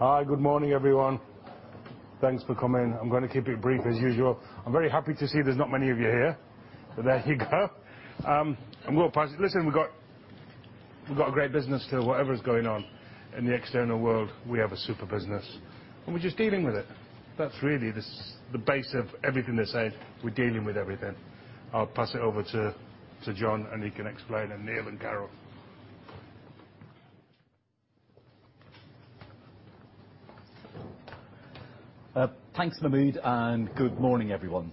Hi, good morning, everyone. Thanks for coming. I'm gonna keep it brief as usual. I'm very happy to see there's not many of you here. There you go. Listen, we've got a great business too whatever is going on. In the external world, we have a super business and we're just dealing with it. That's really the basis of everything they said, we're dealing with everything. I'll pass it over to John, and he can explain, and Neil and Carol. Thanks, Mahmud, and good morning, everyone.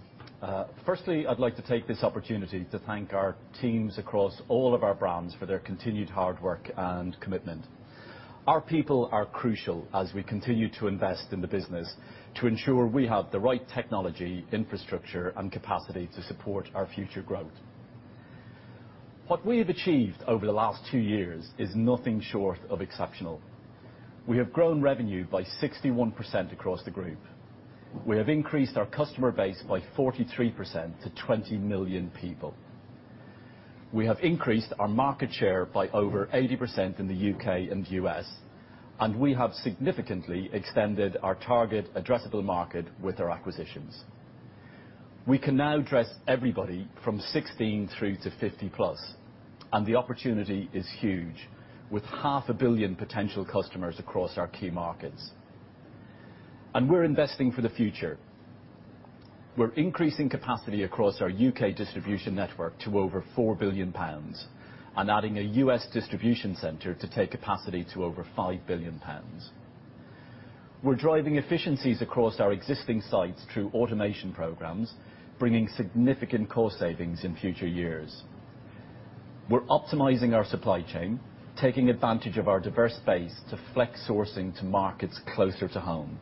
Firstly, I'd like to take this opportunity to thank our teams across all of our brands for their continued hard work and commitment. Our people are crucial as we continue to invest in the business to ensure we have the right technology, infrastructure, and capacity to support our future growth. What we have achieved over the last two years is nothing short of exceptional. We have grown revenue by 61% across the group. We have increased our customer base by 43% to 20 million people. We have increased our market share by over 80% in the U.K. and the U.S., and we have significantly extended our target addressable market with our acquisitions. We can now address everybody from 16 through to 50+, and the opportunity is huge, with half a billion potential customers across our key markets. We're investing for the future. We're increasing capacity across our U.K. distribution network to over 4 billion pounds and adding a U.S. distribution center to take capacity to over 5 billion pounds. We're driving efficiencies across our existing sites through automation programs, bringing significant cost savings in future years. We're optimizing our supply chain, taking advantage of our diverse base to flex sourcing to markets closer to home.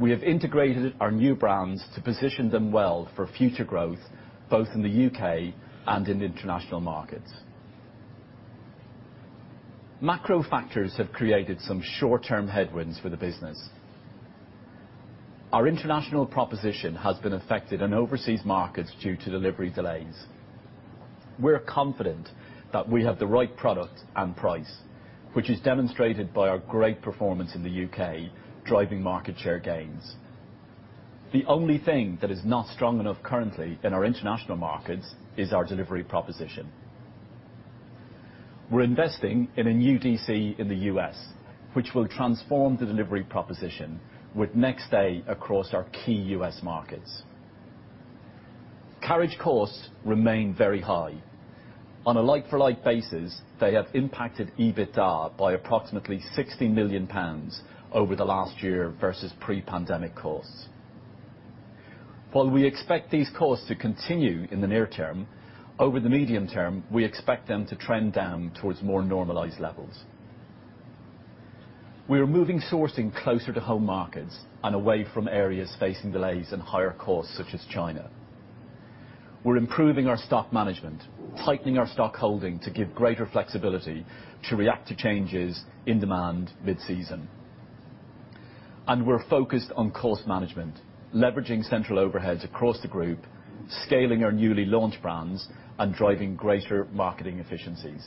We have integrated our new brands to position them well for future growth, both in the U.K. and in international markets. Macro factors have created some short-term headwinds for the business. Our international proposition has been affected in overseas markets due to delivery delays. We're confident that we have the right product and price, which is demonstrated by our great performance in the U.K., driving market share gains. The only thing that is not strong enough currently in our international markets is our delivery proposition. We're investing in a new DC in the U.S., which will transform the delivery proposition with next day across our key U.S. markets. Carriage costs remain very high. On a like-for-like basis, they have impacted EBITDA by approximately 60 million pounds over the last year versus pre-pandemic costs. While we expect these costs to continue in the near term, over the medium term, we expect them to trend down towards more normalized levels. We are moving sourcing closer to home markets and away from areas facing delays and higher costs, such as China. We're improving our stock management, tightening our stock holding to give greater flexibility to react to changes in demand mid-season. We're focused on cost management, leveraging central overheads across the group, scaling our newly launched brands, and driving greater marketing efficiencies.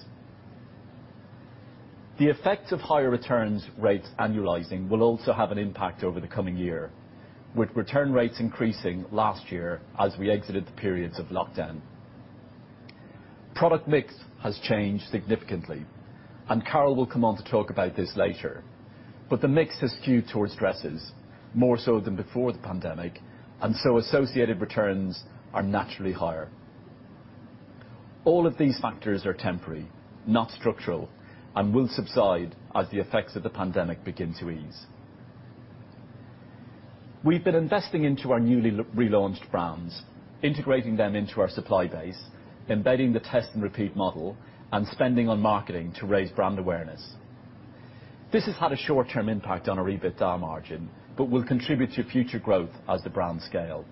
The effects of higher returns rates annualizing will also have an impact over the coming year, with return rates increasing last year as we exited the periods of lockdown. Product mix has changed significantly, and Carol will come on to talk about this later. The mix has skewed towards dresses more so than before the pandemic, and so associated returns are naturally higher. All of these factors are temporary, not structural, and will subside as the effects of the pandemic begin to ease. We've been investing into our newly relaunched brands, integrating them into our supply base, embedding the test and repeat model, and spending on marketing to raise brand awareness. This has had a short-term impact on our EBITDA margin, but will contribute to future growth as the brands scale.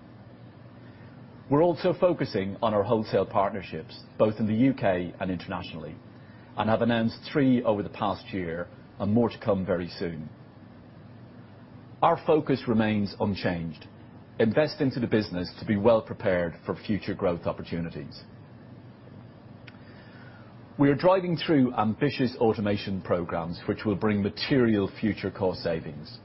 We're also focusing on our wholesale partnerships, both in the U.K. and internationally, and have announced three over the past year and more to come very soon. Our focus remains unchanged. Invest into the business to be well-prepared for future growth opportunities. We are driving through ambitious automation programs which will bring material future cost savings.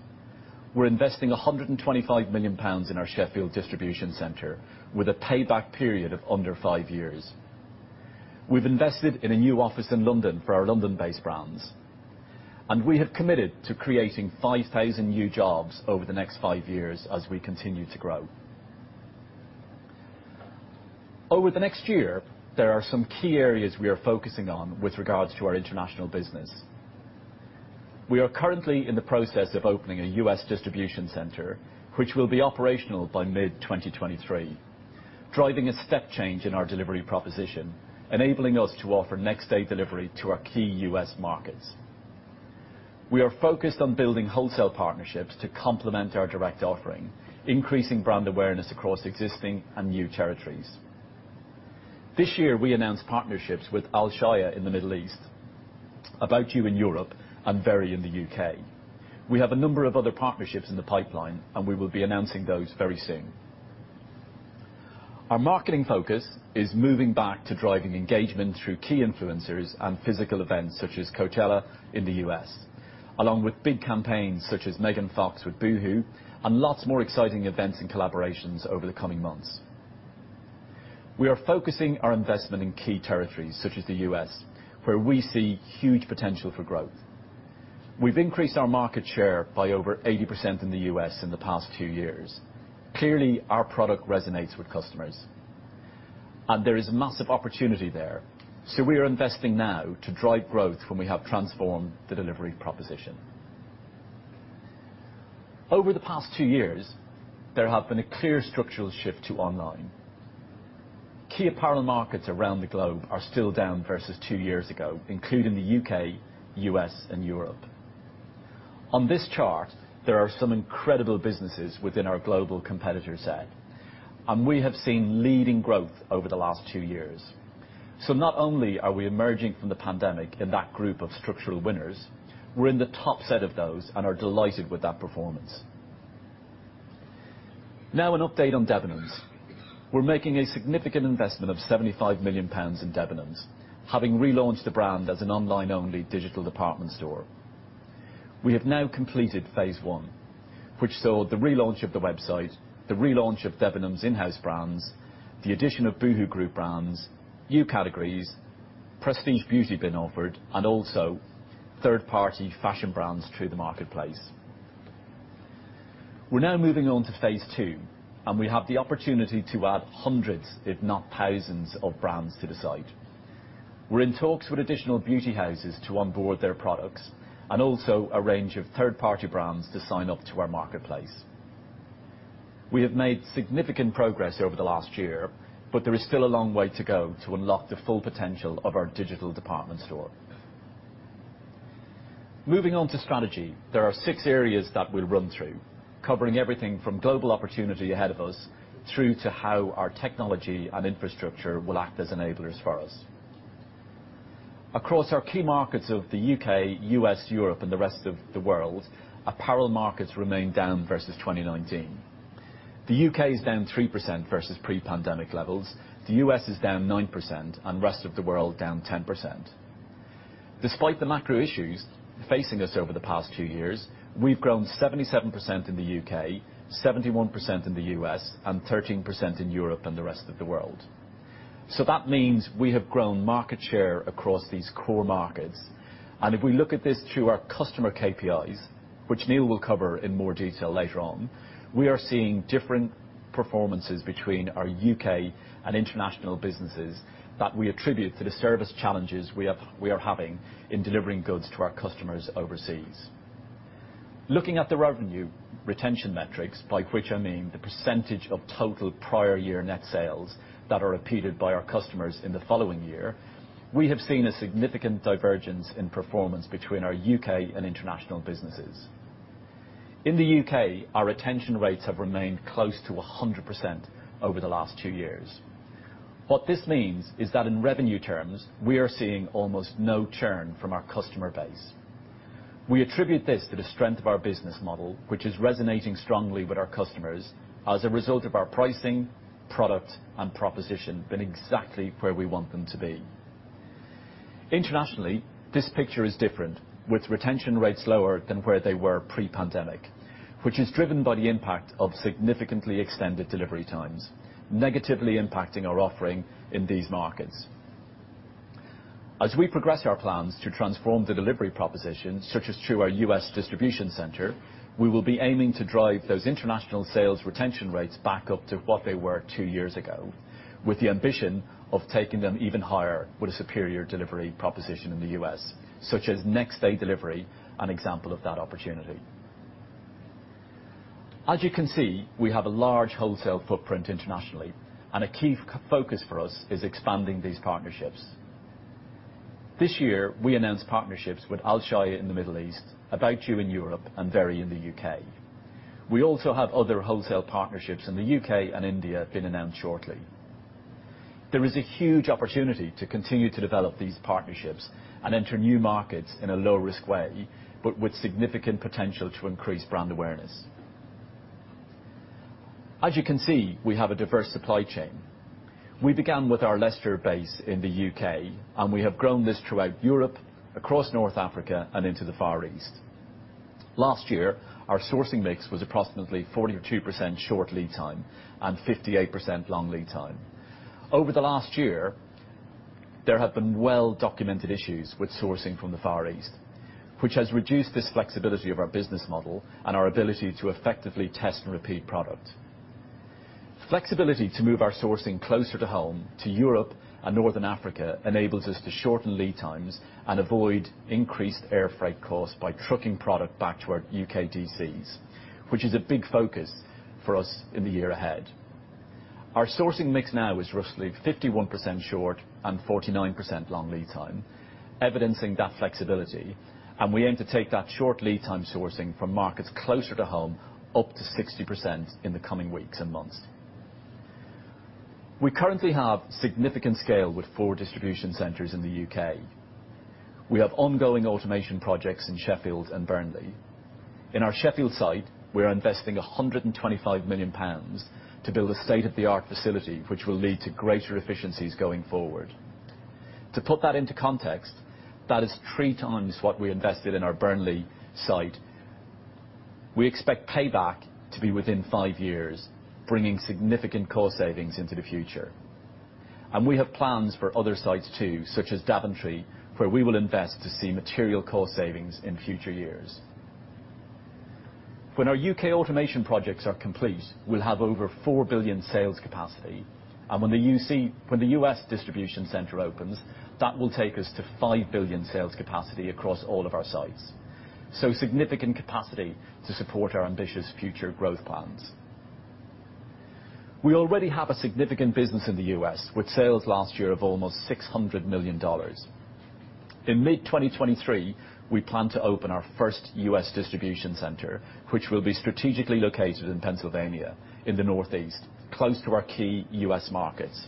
We're investing 125 million pounds in our Sheffield distribution center with a payback period of under five years. We've invested in a new office in London for our London-based brands, and we have committed to creating 5,000 new jobs over the next five years as we continue to grow. Over the next year, there are some key areas we are focusing on with regards to our international business. We are currently in the process of opening a U.S. distribution center, which will be operational by mid-2023, driving a step change in our delivery proposition, enabling us to offer next day delivery to our key U.S. markets. We are focused on building wholesale partnerships to complement our direct offering, increasing brand awareness across existing and new territories. This year, we announced partnerships with Alshaya in the Middle East, About You in Europe, and Very in the U.K. We have a number of other partnerships in the pipeline, and we will be announcing those very soon. Our marketing focus is moving back to driving engagement through key influencers and physical events, such as Coachella in the U.S., along with big campaigns such as Megan Fox with boohoo and lots more exciting events and collaborations over the coming months. We are focusing our investment in key territories such as the U.S., where we see huge potential for growth. We've increased our market share by over 80% in the U.S. in the past few years. Clearly, our product resonates with customers, and there is massive opportunity there, so we are investing now to drive growth when we have transformed the delivery proposition. Over the past two years, there have been a clear structural shift to online. Key apparel markets around the globe are still down versus two years ago, including the U.K., U.S., and Europe. On this chart, there are some incredible businesses within our global competitor set, and we have seen leading growth over the last two years. Not only are we emerging from the pandemic in that group of structural winners, we're in the top set of those and are delighted with that performance. Now an update on Debenhams. We're making a significant investment of 75 million pounds in Debenhams, having relaunched the brand as an online-only digital department store. We have now completed phase one, which saw the relaunch of the website, the relaunch of Debenhams in-house brands, the addition of boohoo group brands, new categories, prestige beauty being offered, and also third-party fashion brands through the marketplace. We're now moving on to phase II, and we have the opportunity to add hundreds, if not thousands, of brands to the site. We're in talks with additional beauty houses to onboard their products and also a range of third-party brands to sign up to our marketplace. We have made significant progress over the last year, but there is still a long way to go to unlock the full potential of our digital department store. Moving on to strategy, there are six areas that we'll run through, covering everything from global opportunity ahead of us through to how our technology and infrastructure will act as enablers for us. Across our key markets of the U.K., U.S., Europe, and the rest of the world, apparel markets remain down versus 2019. The U.K. is down 3% versus pre-pandemic levels, the U.S. is down 9%, and rest of the world down 10%. Despite the macro issues facing us over the past few years, we've grown 77% in the U.K., 71% in the U.S., and 13% in Europe and the rest of the world. That means we have grown market share across these core markets. If we look at this through our customer KPIs, which Neil will cover in more detail later on, we are seeing different performances between our U.K. and international businesses that we attribute to the service challenges we are having in delivering goods to our customers overseas. Looking at the revenue retention metrics, by which I mean the percentage of total prior year net sales that are repeated by our customers in the following year, we have seen a significant divergence in performance between our U.K. and international businesses. In the U.K., our retention rates have remained close to 100% over the last two years. What this means is that in revenue terms, we are seeing almost no churn from our customer base. We attribute this to the strength of our business model, which is resonating strongly with our customers as a result of our pricing, product, and proposition being exactly where we want them to be. Internationally, this picture is different, with retention rates lower than where they were pre-pandemic, which is driven by the impact of significantly extended delivery times, negatively impacting our offering in these markets. As we progress our plans to transform the delivery proposition, such as through our U.S. distribution center, we will be aiming to drive those international sales retention rates back up to what they were two years ago, with the ambition of taking them even higher with a superior delivery proposition in the U.S., such as next-day delivery, an example of that opportunity. As you can see, we have a large wholesale footprint internationally, and a key focus for us is expanding these partnerships. This year, we announced partnerships with Alshaya in the Middle East, About You in Europe, and Very in the U.K. We also have other wholesale partnerships in the U.K. and India being announced shortly. There is a huge opportunity to continue to develop these partnerships and enter new markets in a low-risk way, but with significant potential to increase brand awareness. As you can see, we have a diverse supply chain. We began with our Leicester base in the U.K., and we have grown this throughout Europe, across North Africa and into the Far East. Last year, our sourcing mix was approximately 42% short lead time and 58% long lead time. Over the last year, there have been well-documented issues with sourcing from the Far East, which has reduced this flexibility of our business model and our ability to effectively test and repeat product. Flexibility to move our sourcing closer to home to Europe and Northern Africa enables us to shorten lead times and avoid increased air freight costs by trucking product back to our UK DCs, which is a big focus for us in the year ahead. Our sourcing mix now is roughly 51% short and 49% long lead time, evidencing that flexibility, and we aim to take that short lead time sourcing from markets closer to home up to 60% in the coming weeks and months. We currently have significant scale with four distribution centers in the U.K. We have ongoing automation projects in Sheffield and Burnley. In our Sheffield site, we're investing 125 million pounds to build a state-of-the-art facility, which will lead to greater efficiencies going forward. To put that into context, that is 3x what we invested in our Burnley site. We expect payback to be within five years, bringing significant cost savings into the future. We have plans for other sites too, such as Daventry, where we will invest to see material cost savings in future years. When our U.K. automation projects are complete, we'll have over 4 billion sales capacity. When the U.S. distribution center opens, that will take us to 5 billion sales capacity across all of our sites. Significant capacity to support our ambitious future growth plans. We already have a significant business in the U.S., with sales last year of almost $600 million. In mid-2023, we plan to open our first U.S. distribution center, which will be strategically located in Pennsylvania in the northeast, close to our key U.S. markets.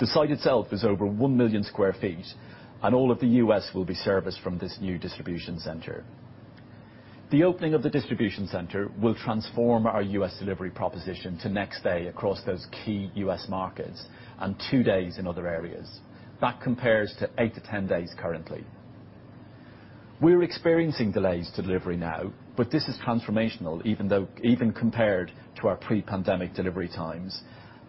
The site itself is over 1 million sq ft, and all of the U.S. will be serviced from this new distribution center. The opening of the distribution center will transform our U.S. delivery proposition to next day across those key U.S. markets and two days in other areas. That compares to 8-10 days currently. We're experiencing delays to delivery now, but this is transformational even compared to our pre-pandemic delivery times,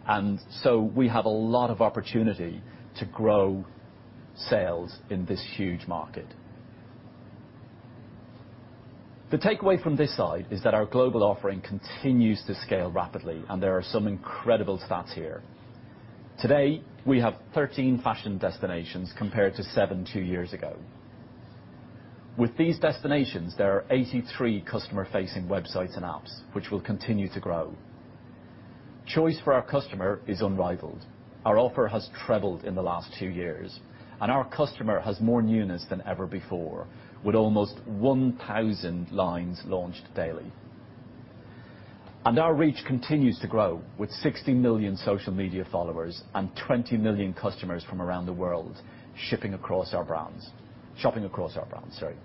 and so we have a lot of opportunity to grow sales in this huge market. The takeaway from this slide is that our global offering continues to scale rapidly, and there are some incredible stats here. Today, we have 13 fashion destinations compared to seven, two years ago. With these destinations, there are 83 customer-facing websites and apps, which will continue to grow. Choice for our customer is unrivaled. Our offer has trebled in the last two years, and our customer has more newness than ever before, with almost 1,000 lines launched daily. Our reach continues to grow with 60 million social media followers and 20 million customers from around the world shipping across our brands. Shopping across our brands, sorry.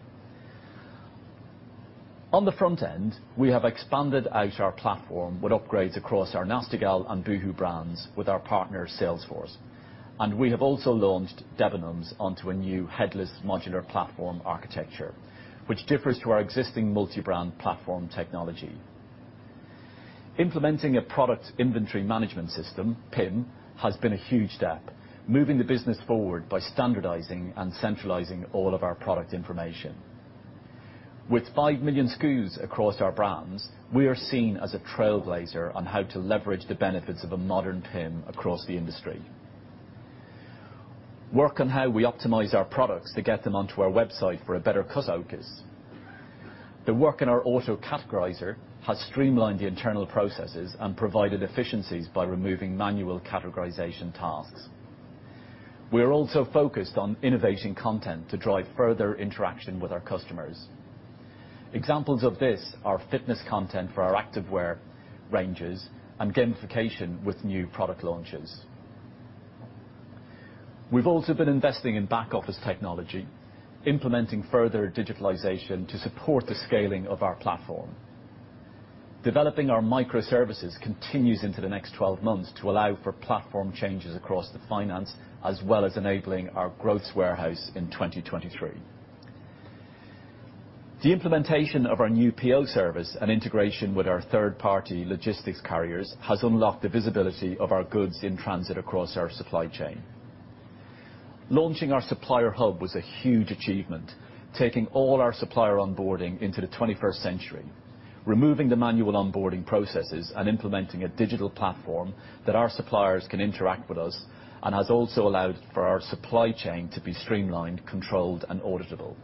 On the front end, we have expanded out our platform with upgrades across our Nasty Gal and boohoo brands with our partner Salesforce, and we have also launched Debenhams onto a new headless modular platform architecture, which differs to our existing multi-brand platform technology. Implementing a product inventory management system, PIM, has been a huge step, moving the business forward by standardizing and centralizing all of our product information. With 5 million SKUs across our brands, we are seen as a trailblazer on how to leverage the benefits of a modern PIM across the industry. Work on how we optimize our products to get them onto our website for a better customer focus. The work in our auto-categorizer has streamlined the internal processes and provided efficiencies by removing manual categorization tasks. We are also focused on innovation content to drive further interaction with our customers. Examples of this are fitness content for our activewear ranges and gamification with new product launches. We've also been investing in back office technology, implementing further digitalization to support the scaling of our platform. Developing our microservices continues into the next 12 months to allow for platform changes across the finance, as well as enabling our growth warehouse in 2023. The implementation of our new PO service and integration with our third-party logistics carriers has unlocked the visibility of our goods in transit across our supply chain. Launching our supplier hub was a huge achievement, taking all our supplier onboarding into the 21st century, removing the manual onboarding processes, and implementing a digital platform that our suppliers can interact with us and has also allowed for our supply chain to be streamlined, controlled, and auditable.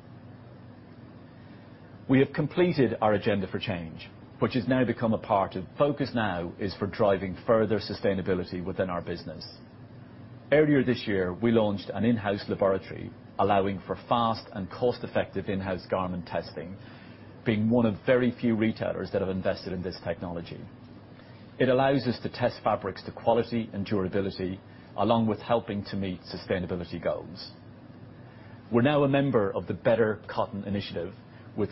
We have completed our agenda for change, which has now become a part of focus now is for driving further sustainability within our business. Earlier this year, we launched an in-house laboratory allowing for fast and cost-effective in-house garment testing, being one of very few retailers that have invested in this technology. It allows us to test fabrics for quality and durability, along with helping to meet sustainability goals. We're now a member of the Better Cotton Initiative, with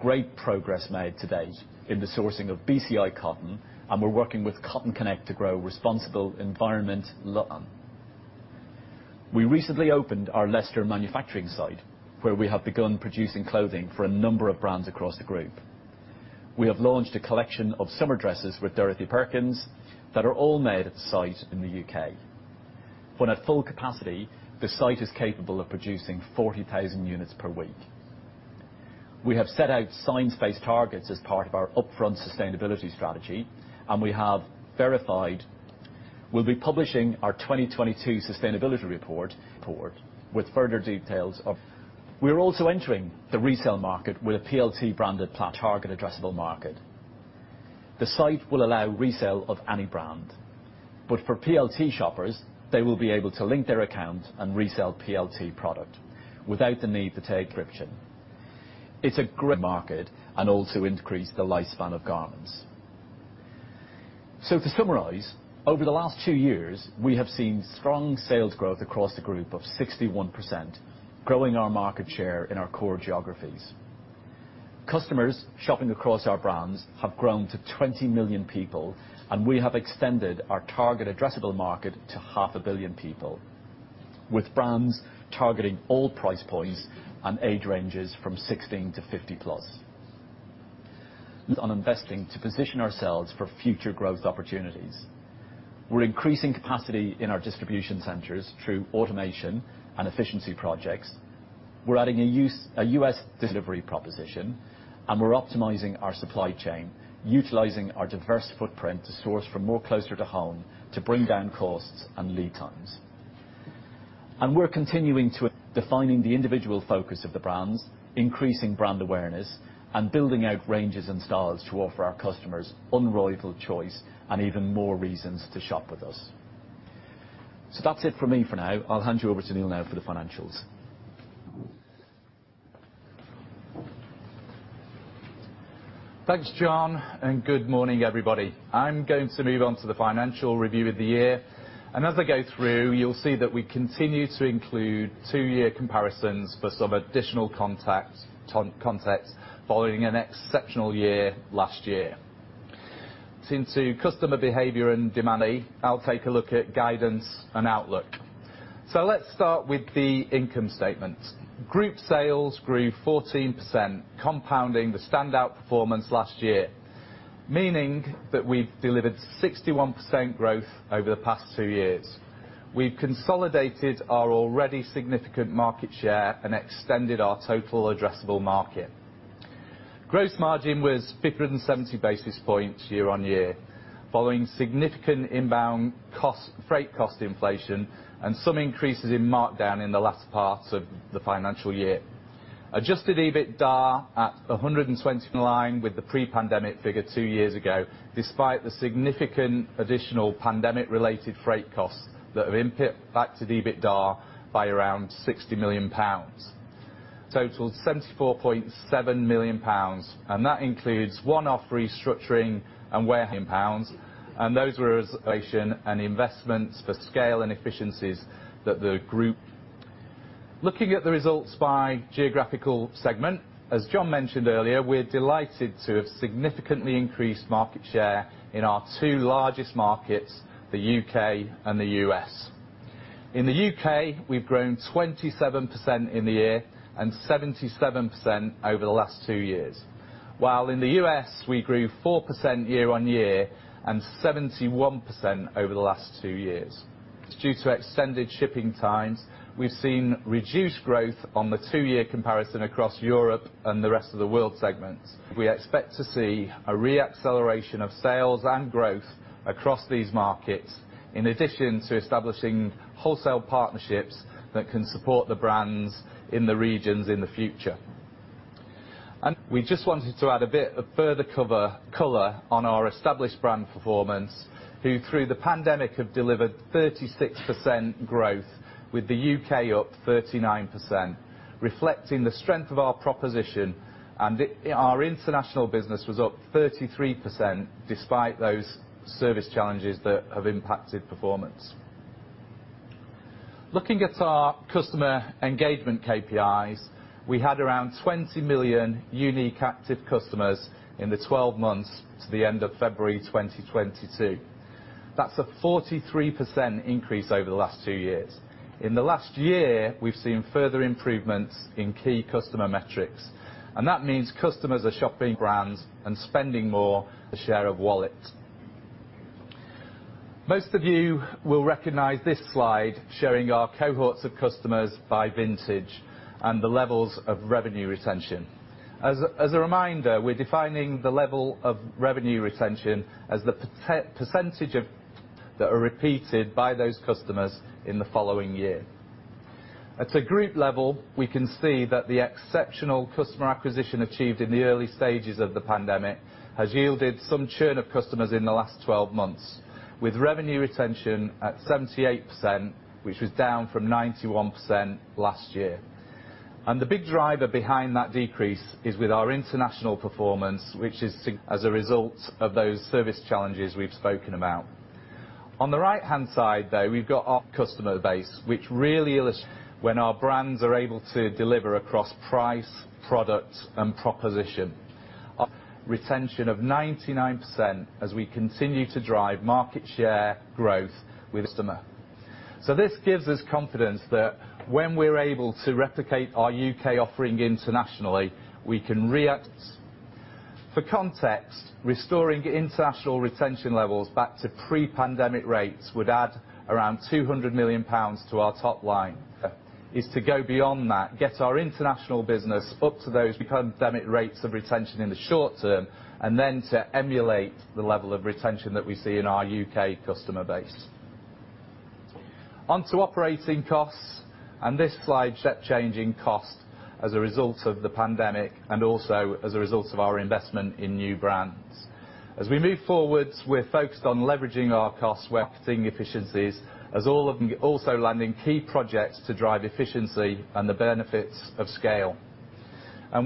great progress made to date in the sourcing of BCI cotton, and we're working with Cotton Connect to grow responsible environment. We recently opened our Leicester manufacturing site, where we have begun producing clothing for a number of brands across the group. We have launched a collection of summer dresses with Dorothy Perkins that are all made at the site in the U.K. When at full capacity, the site is capable of producing 40,000 units per week. We have set out Science-Based Targets as part of our upfront sustainability strategy, and we have verified. We'll be publishing our 2022 sustainability report with further details. We are also entering the resale market with a PLT-branded platform total addressable market. The site will allow resale of any brand. But for PLT shoppers, they will be able to link their account and resell PLT product without the need for tech integration. It's a great market and also increase the lifespan of garments. To summarize, over the last two years, we have seen strong sales growth across the group of 61%, growing our market share in our core geographies. Customers shopping across our brands have grown to 20 million people, and we have extended our target addressable market to 0.5 billion people with brands targeting all price points and age ranges from 16 to 50+. On investing to position ourselves for future growth opportunities. We're increasing capacity in our distribution centers through automation and efficiency projects. We're adding a U.S. delivery proposition, and we're optimizing our supply chain, utilizing our diverse footprint to source from more closer to home to bring down costs and lead times. We're continuing to defining the individual focus of the brands, increasing brand awareness, and building out ranges and styles to offer our customers unrivaled choice and even more reasons to shop with us. That's it for me for now. I'll hand you over to Neil now for the financials. Thanks, John, and good morning, everybody. I'm going to move on to the financial review of the year. As I go through, you'll see that we continue to include two-year comparisons for some additional context, to provide context following an exceptional year last year. Shifts in customer behavior and demand, I'll take a look at guidance and outlook. Let's start with the income statement. Group sales grew 14%, compounding the standout performance last year, meaning that we've delivered 61% growth over the past two years. We've consolidated our already significant market share and extended our total addressable market. Gross margin was bigger by 70 basis points year on year following significant inbound cost and freight cost inflation and some increases in markdown in the last parts of the financial year. Adjusted EBITDA at 120 million, in line with the pre-pandemic figure two years ago, despite the significant additional pandemic-related freight costs that have impacted the EBITDA by around 60 million pounds. Totaled 74.7 million pounds, and that includes one-off restructuring and warehousing pounds, and those were investments for scale and efficiencies that the group. Looking at the results by geographical segment, as John mentioned earlier, we're delighted to have significantly increased market share in our two largest markets, the U.K. and the U.S. In the U.K., we've grown 27% in the year and 77% over the last two years. While in the U.S., we grew 4% year-on-year and 71% over the last two years. Due to extended shipping times, we've seen reduced growth on the two-year comparison across Europe and the rest of the world segments. We expect to see a re-acceleration of sales and growth across these markets, in addition to establishing wholesale partnerships that can support the brands in the regions in the future. We just wanted to add a bit of further color on our established brand performance, who through the pandemic have delivered 36% growth with the U.K. up 39%, reflecting the strength of our proposition, our international business was up 33% despite those service challenges that have impacted performance. Looking at our customer engagement KPIs, we had around 20 million unique active customers in the 12 months to the end of February 2022. That's a 43% increase over the last two years. In the last year, we've seen further improvements in key customer metrics, and that means customers are shopping brands and spending more, a share of wallet. Most of you will recognize this slide showing our cohorts of customers by vintage and the levels of revenue retention. As a reminder, we're defining the level of revenue retention as the percentage of that are repeated by those customers in the following year. At a group level, we can see that the exceptional customer acquisition achieved in the early stages of the pandemic has yielded some churn of customers in the last 12 months, with revenue retention at 78%, which was down from 91% last year. The big driver behind that decrease is with our international performance, which is as a result of those service challenges we've spoken about. On the right-hand side, though, we've got our customer base, which really when our brands are able to deliver across price, product, and proposition. Our retention of 99% as we continue to drive market share growth with customers. This gives us confidence that when we're able to replicate our U.K. offering internationally, we can. For context, restoring international retention levels back to pre-pandemic rates would add around 200 million pounds to our top line is to go beyond that, get our international business up to those pandemic rates of retention in the short term, and then to emulate the level of retention that we see in our U.K. customer base. On to operating costs, this slide shows changing costs as a result of the pandemic and also as a result of our investment in new brands. As we move forward, we're focused on leveraging our costs, our efficiencies as well as landing key projects to drive efficiency and the benefits of scale.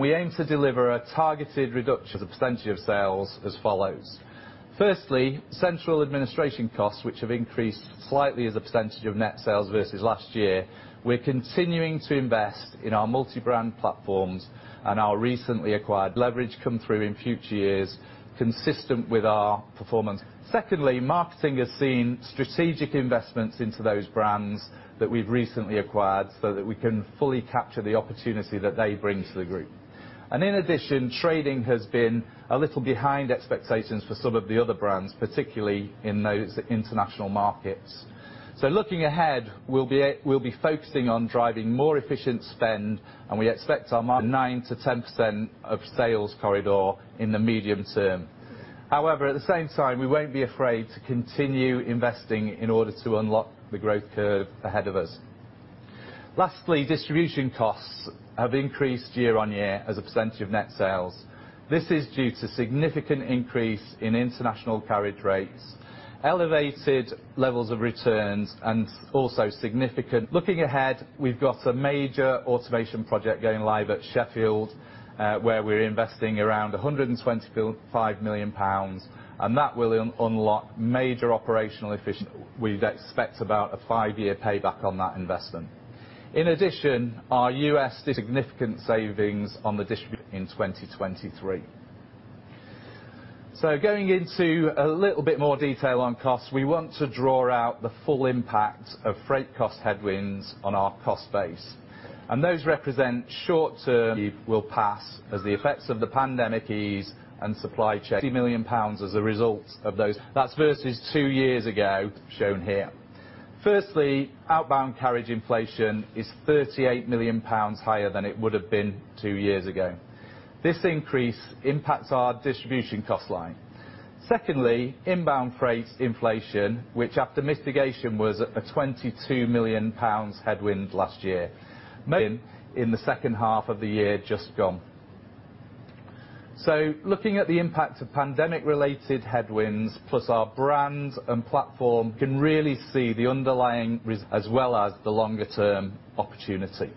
We aim to deliver a targeted reduction as a percentage of sales as follows. Firstly, central administration costs, which have increased slightly as a percentage of net sales versus last year. We're continuing to invest in our multi-brand platforms and our recently acquired leverage come through in future years, consistent with our performance. Secondly, marketing has seen strategic investments into those brands that we've recently acquired so that we can fully capture the opportunity that they bring to the group. In addition, trading has been a little behind expectations for some of the other brands, particularly in those international markets. Looking ahead, we'll be focusing on driving more efficient spend, and we expect our marketing 9%-10% of sales corridor in the medium term. However, at the same time, we won't be afraid to continue investing in order to unlock the growth curve ahead of us. Lastly, distribution costs have increased year-on-year as a percentage of net sales. This is due to significant increase in international carriage rates, elevated levels of returns. Looking ahead, we've got a major automation project going live at Sheffield, where we're investing around 125 million pounds, and that will unlock major operational efficiencies. We expect about a five-year payback on that investment. In addition, we expect significant savings on the distribution in 2023. Going into a little bit more detail on costs, we want to draw out the full impact of freight cost headwinds on our cost base. Those represent short-term will pass as the effects of the pandemic ease and supply chain million pounds as a result of those. That's versus two years ago shown here. Firstly, outbound carriage inflation is 38 million pounds higher than it would have been two years ago. This increase impacts our distribution cost line. Secondly, inbound freight inflation, which after mitigation was at a 22 million pounds headwind last year in the second half of the year just gone. Looking at the impact of pandemic-related headwinds, plus our brands and platform can really see the underlying resilience as well as the longer-term opportunity.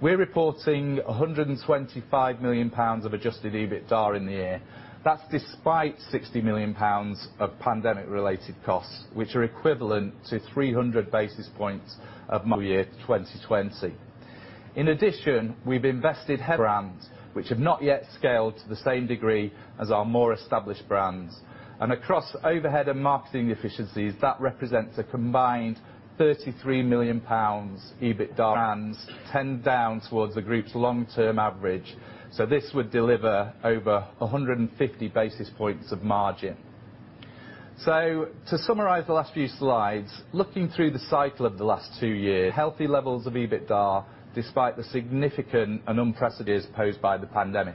We're reporting 125 million pounds of adjusted EBITDA in the year. That's despite 60 million pounds of pandemic-related costs, which are equivalent to 300 basis points of full year 2020. In addition, we've invested in brands which have not yet scaled to the same degree as our more established brands. Across overhead and marketing efficiencies, that represents a combined 33 million pounds EBITDA. Bringing it down towards the group's long-term average. This would deliver over 150 basis points of margin. To summarize the last few slides, looking through the cycle of the last two years, healthy levels of EBITDA despite the significant and unprecedented challenges posed by the pandemic.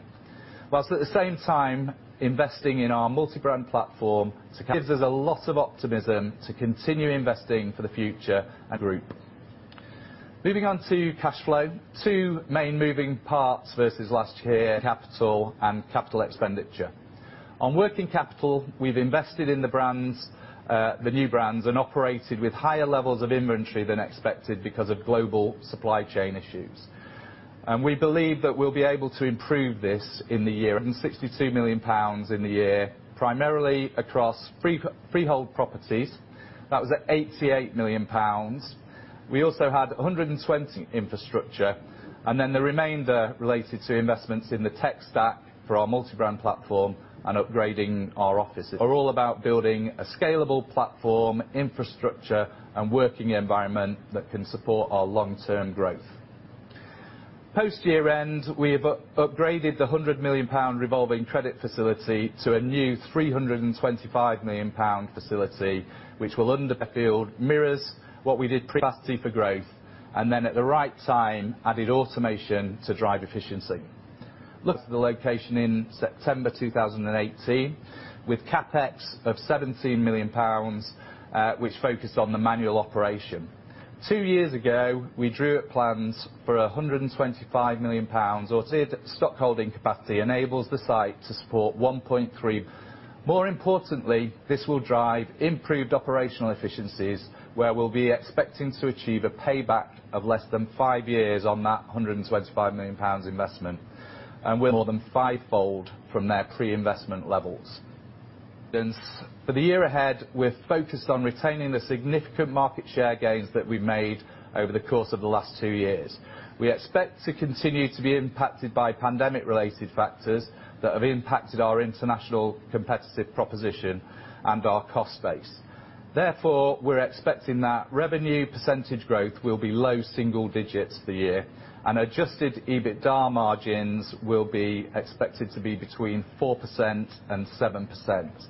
While at the same time, investing in our multi-brand platform that gives us a lot of optimism to continue investing for the future of the group. Moving on to cash flow, two main moving parts versus last year, working capital and capital expenditure. On working capital, we've invested in the brands, the new brands, and operated with higher levels of inventory than expected because of global supply chain issues. We believe that we'll be able to improve this in the year and 62 million pounds in the year, primarily across freehold properties. That was at 88 million pounds. We also had 120 million infrastructure, and then the remainder related to investments in the tech stack for our multi-brand platform and upgrading our offices are all about building a scalable platform, infrastructure, and working environment that can support our long-term growth. Post year end, we have upgraded the 100 million pound revolving credit facility to a new 325 million pound facility, which will underpin. It mirrors what we did capacity for growth, and then at the right time, added automation to drive efficiency. Look at the location in September 2018 with CapEx of 17 million pounds, which focused on the manual operation. Two years ago, we drew up plans for a 125 million pounds of stock holding capacity enables the site to support 1.3. More importantly, this will drive improved operational efficiencies, where we'll be expecting to achieve a payback of less than five years on that 125 million pounds investment. We're more than five-fold from their pre-investment levels. For the year ahead, we're focused on retaining the significant market share gains that we've made over the course of the last two years. We expect to continue to be impacted by pandemic-related factors that have impacted our international competitive proposition and our cost base. Therefore, we're expecting that revenue percentage growth will be low single digits this year and adjusted EBITDA margins will be expected to be between 4% and 7%.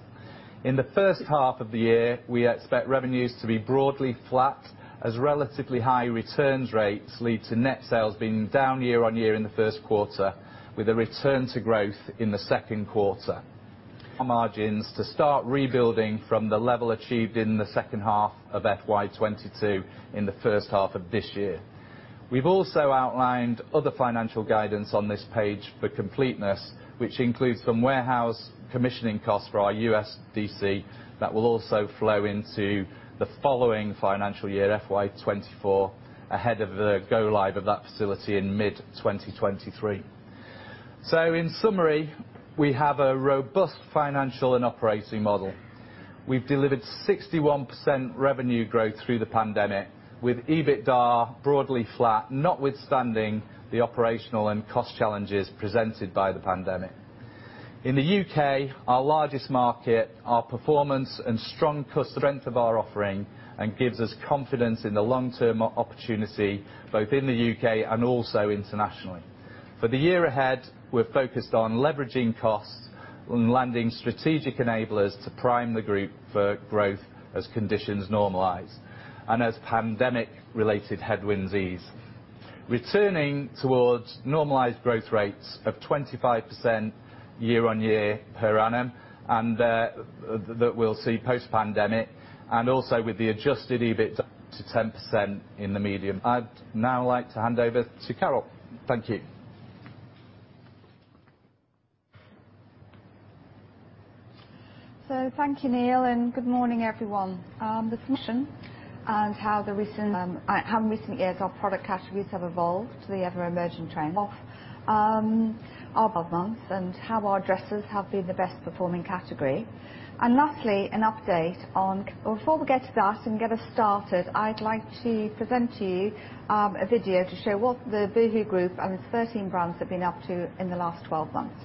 In the first half of the year, we expect revenues to be broadly flat as relatively high return rates lead to net sales being down year-on-year in the first quarter with a return to growth in the second quarter. Margins to start rebuilding from the level achieved in the second half of FY 2022 in the first half of this year. We've also outlined other financial guidance on this page for completeness, which includes some warehouse commissioning costs for our U.S. DC that will also flow into the following financial year, FY 2024, ahead of the go live of that facility in mid-2023. In summary, we have a robust financial and operating model. We've delivered 61% revenue growth through the pandemic, with EBITDA broadly flat, notwithstanding the operational and cost challenges presented by the pandemic. In the U.K., our largest market, our performance and strength of our offering and gives us confidence in the long-term opportunity both in the U.K. and also internationally. For the year ahead, we're focused on leveraging costs and landing strategic enablers to prime the group for growth as conditions normalize and as pandemic-related headwinds ease. Returning towards normalized growth rates of 25% year-over-year per annum, and that we'll see post-pandemic and also with the adjusted EBIT to 10% in the medium. I'd now like to hand over to Carol. Thank you. Thank you, Neil, and good morning, everyone. In recent years our product categories have evolved to the ever-emerging trends. Our brands and how our dresses have been the best performing category. Before we get to that and get us started, I'd like to present to you a video to show what the boohoo group and its 13 brands have been up to in the last 12 months.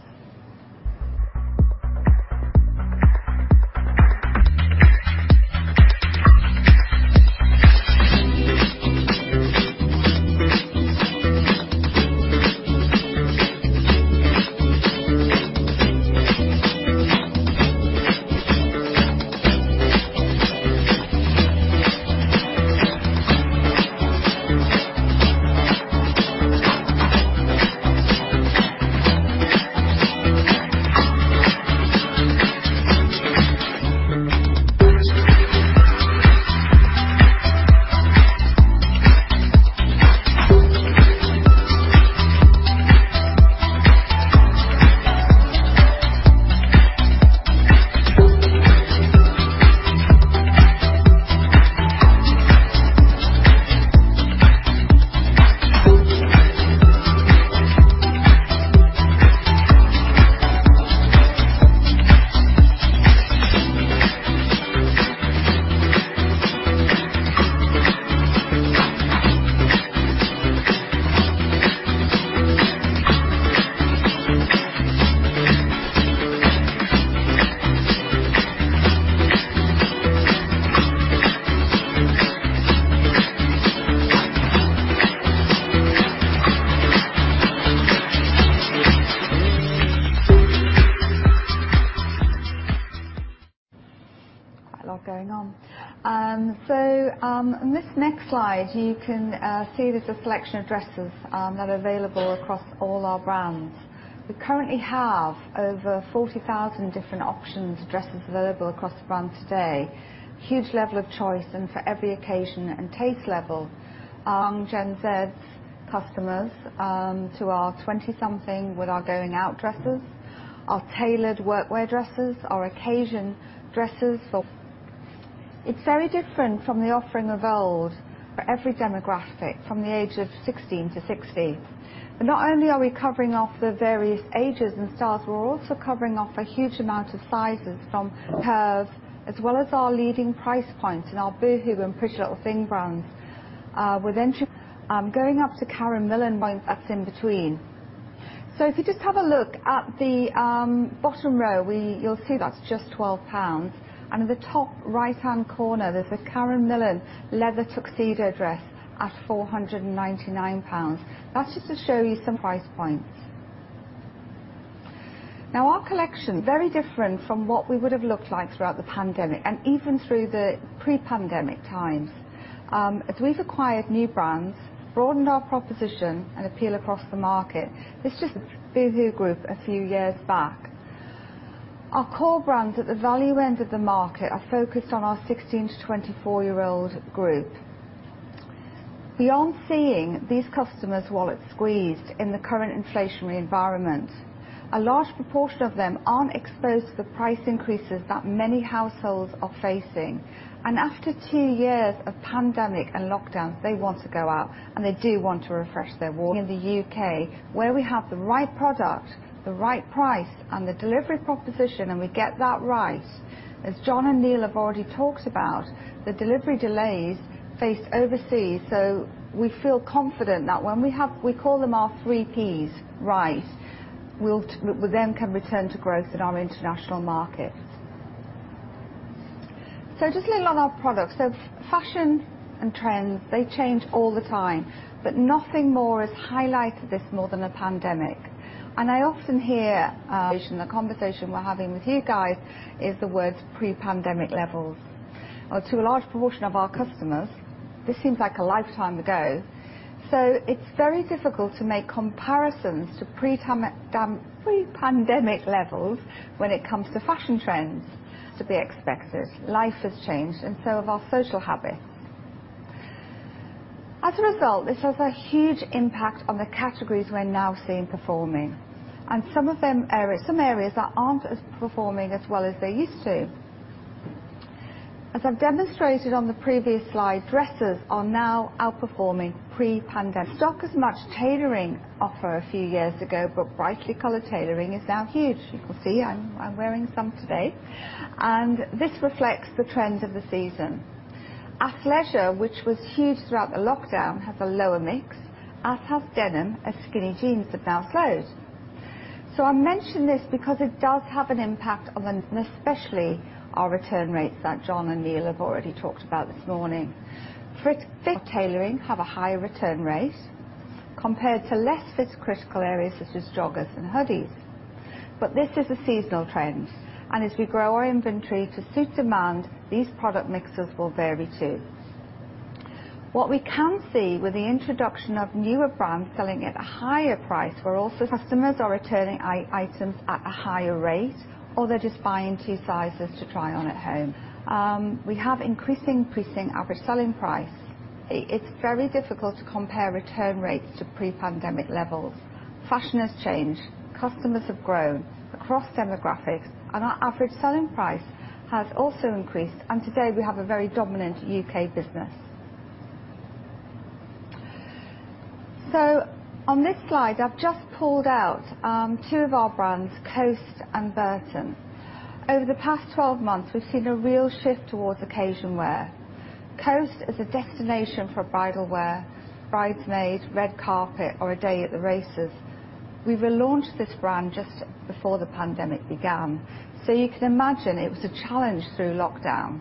Quite a lot going on. On this next slide, you can see there's a selection of dresses that are available across all our brands. We currently have over 40,000 different options of dresses available across the brand today. Huge level of choice and for every occasion and taste level. Our Gen Z customers to our 20-something with our going out dresses, our tailored workwear dresses, our occasion dresses. It's very different from the offering of old for every demographic, from the age of 16 to 60. Not only are we covering off the various ages and styles, we're also covering off a huge amount of sizes from curves, as well as our leading price points in our boohoo and PrettyLittleThing brands. Going up to Karen Millen by what's in between. If you just have a look at the bottom row, you'll see that's just 12 pounds. At the top right-hand corner, there's a Karen Millen leather tuxedo dress at 499 pounds. That's just to show you some price points. Now, our collection, very different from what we would have looked like throughout the pandemic and even through the pre-pandemic times. As we've acquired new brands, broadened our proposition and appeal across the market. This is just boohoo group a few years back. Our core brands at the value end of the market are focused on our 16-24-year-old group. Beyond seeing these customers' wallets squeezed in the current inflationary environment, a large proportion of them aren't exposed to the price increases that many households are facing. After two years of pandemic and lockdowns, they want to go out, and they do want to refresh their wardrobe. In the U.K., where we have the right product, the right price, and the delivery proposition, and we get that right. As John and Neil have already talked about, the delivery delays faced overseas. We feel confident that when we have. We call them our three Ps, right? We then can return to growth in our international markets. Just a little on our products. Fashion and trends, they change all the time, but nothing more has highlighted this more than a pandemic. I often hear, the conversation we're having with you guys is the words pre-pandemic levels. To a large proportion of our customers, this seems like a lifetime ago. It's very difficult to make comparisons to pre-pandemic levels when it comes to fashion trends to be expected. Life has changed and so have our social habits. As a result, this has a huge impact on the categories we're now seeing performing and some areas that aren't as performing as well as they used to. As I've demonstrated on the previous slide, dresses are now outperforming pre-pandemic. Not as much tailoring as a few years ago, but brightly colored tailoring is now huge. You can see I'm wearing some today. This reflects the trends of the season. Athleisure, which was huge throughout the lockdown, has a lower mix, as has denim, as skinny jeans have now closed. I mention this because it does have an impact on, especially our return rates that John and Neil have already talked about this morning. Fitted tailoring have a higher return rate compared to less fit critical areas such as joggers and hoodies. This is a seasonal trend, and as we grow our inventory to suit demand, these product mixes will vary too. What we can see with the introduction of newer brands selling at a higher price where also customers are returning items at a higher rate, or they're just buying two sizes to try on at home. We have increasing average selling price. It's very difficult to compare return rates to pre-pandemic levels. Fashion has changed, customers have grown across demographics, and our average selling price has also increased, and today we have a very dominant U.K. business. On this slide, I've just pulled out two of our brands, Coast and Burton. Over the past 12 months, we've seen a real shift towards occasion wear. Coast is a destination for bridal wear, bridesmaid, red carpet or a day at the races. We relaunched this brand just before the pandemic began, so you can imagine it was a challenge through lockdown.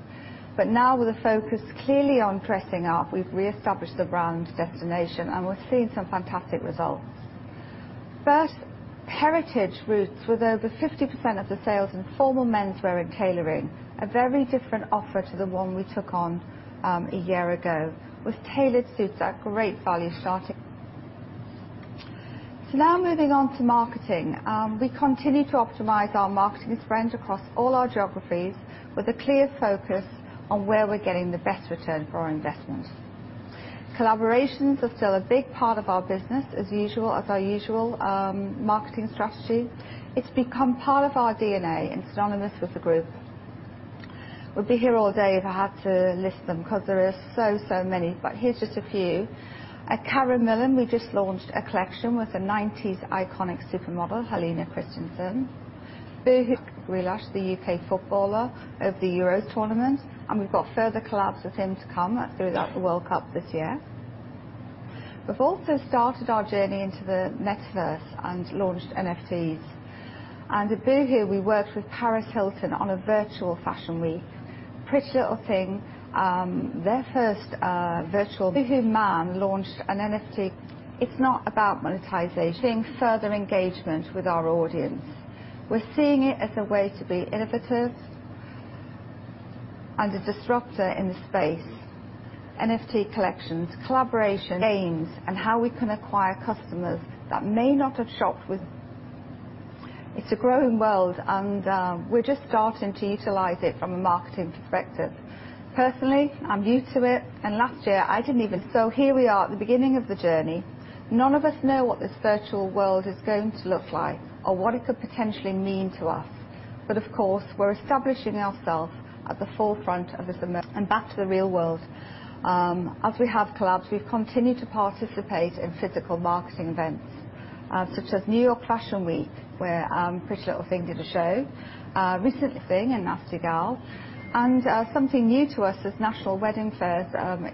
Now with a focus clearly on dressing up, we've reestablished the brand's destination and we're seeing some fantastic results. First, heritage roots with over 50% of the sales in formal menswear and tailoring, a very different offer to the one we took on a year ago. With tailored suits at great value starting. Now moving on to marketing. We continue to optimize our marketing spend across all our geographies with a clear focus on where we're getting the best return for our investment. Collaborations are still a big part of our business as our usual marketing strategy. It's become part of our DNA and synonymous with the group. We'd be here all day if I had to list them because there are so many, but here's just a few. At Karen Millen, we just launched a collection with a 90s iconic supermodel, Helena Christensen. boohoo, Jack Grealish, the U.K. footballer of the Euros tournament, and we've got further collabs with him to come throughout the World Cup this year. We've also started our journey into the Metaverse and launched NFTs. At boohoo, we worked with Paris Hilton on a virtual fashion week. PrettyLittleThing, their first virtual boohooMAN launched an NFT. It's not about monetization. Seeing further engagement with our audience. We're seeing it as a way to be innovative and a disruptor in the space. NFT collections, collaborations, games, and how we can acquire customers that may not have shopped with. It's a growing world and, we're just starting to utilize it from a marketing perspective. Personally, I'm new to it. Here we are at the beginning of the journey. None of us know what this virtual world is going to look like or what it could potentially mean to us. Of course, we're establishing ourselves at the forefront of this. Back to the real world. As we have collabs, we've continued to participate in physical marketing events, such as New York Fashion Week, where PrettyLittleThing did a show. PrettyLittleThing and Nasty Gal. Something new to us is national wedding fairs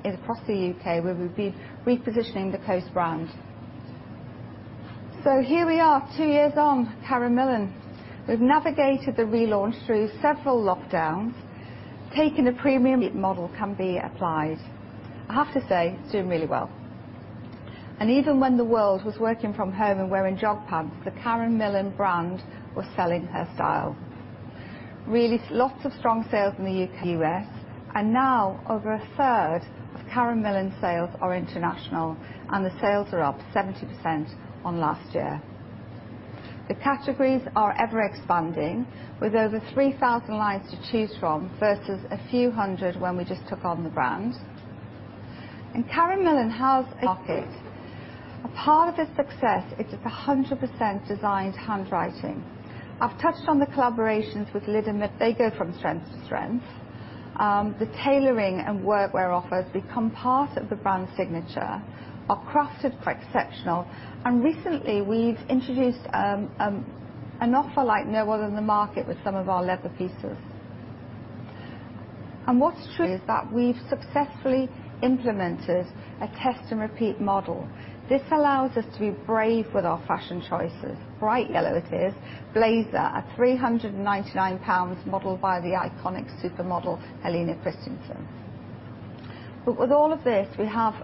across the U.K., where we've been repositioning the Coast brand. Here we are, two years on, Karen Millen. We've navigated the relaunch through several lockdowns, taken a premium model can be applied. I have to say, it's doing really well. Even when the world was working from home and wearing jog pants, the Karen Millen brand was selling her style. Really lots of strong sales in the U.K., U.S., and now over a third of Karen Millen sales are international and the sales are up 70% on last year. The categories are ever expanding with over 3,000 lines to choose from versus a few hundred when we just took on the brand. Karen Millen has a part of this success is its 100% designed handwriting. I've touched on the collaborations with [PrettyLittleThing], they go from strength to strength. The tailoring and workwear offers become part of the brand signature, are crafted quite exceptional. Recently we've introduced an offer like no other in the market with some of our leather pieces. What's true is that we've successfully implemented a test and repeat model. This allows us to be brave with our fashion choices. Bright yellow it is. Blazer at 399 pounds, modeled by the iconic supermodel, Helena Christensen. With all of this, we have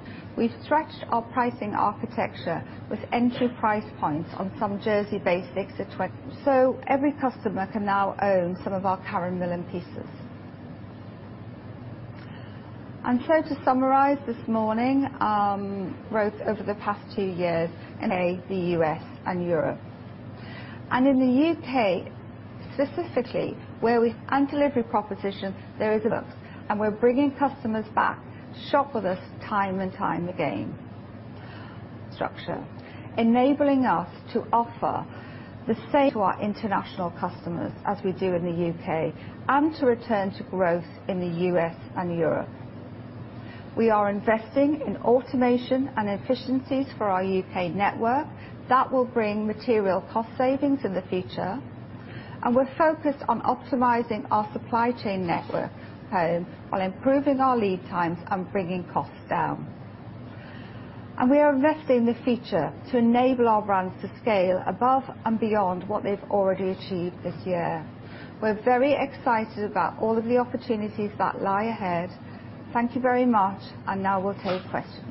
stretched our pricing architecture with entry price points on some jersey basics. Every customer can now own some of our Karen Millen pieces. To summarize this morning, growth over the past two years in the U.K., the U.S., and Europe. In the U.K. specifically, where we've-- and delivery proposition, We're bringing customers back to shop with us time and time again. Structure, enabling us to offer the same to our international customers as we do in the U.K. and to return to growth in the U.S. and Europe. We are investing in automation and efficiencies for our U.K. network that will bring material cost savings in the future. We're focused on optimizing our supply chain network home while improving our lead times and bringing costs down. We are investing in the future to enable our brands to scale above and beyond what they've already achieved this year. We're very excited about all of the opportunities that lie ahead. Thank you very much, and now we'll take questions.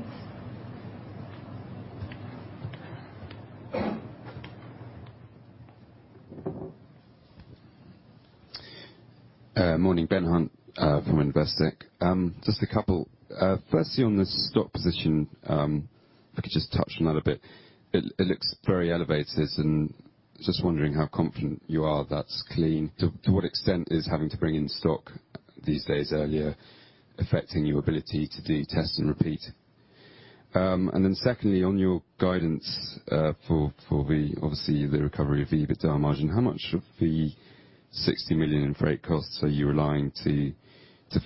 Morning. Ben Hunt from Investec. Just a couple. Firstly on the stock position, if I could just touch on that a bit. It looks very elevated, and just wondering how confident you are that's clean. To what extent is having to bring in stock these days earlier affecting your ability to do test and repeat? Secondly, on your guidance, for the obviously the recovery of the EBITDA margin, how much of the 60 million in freight costs are you relying to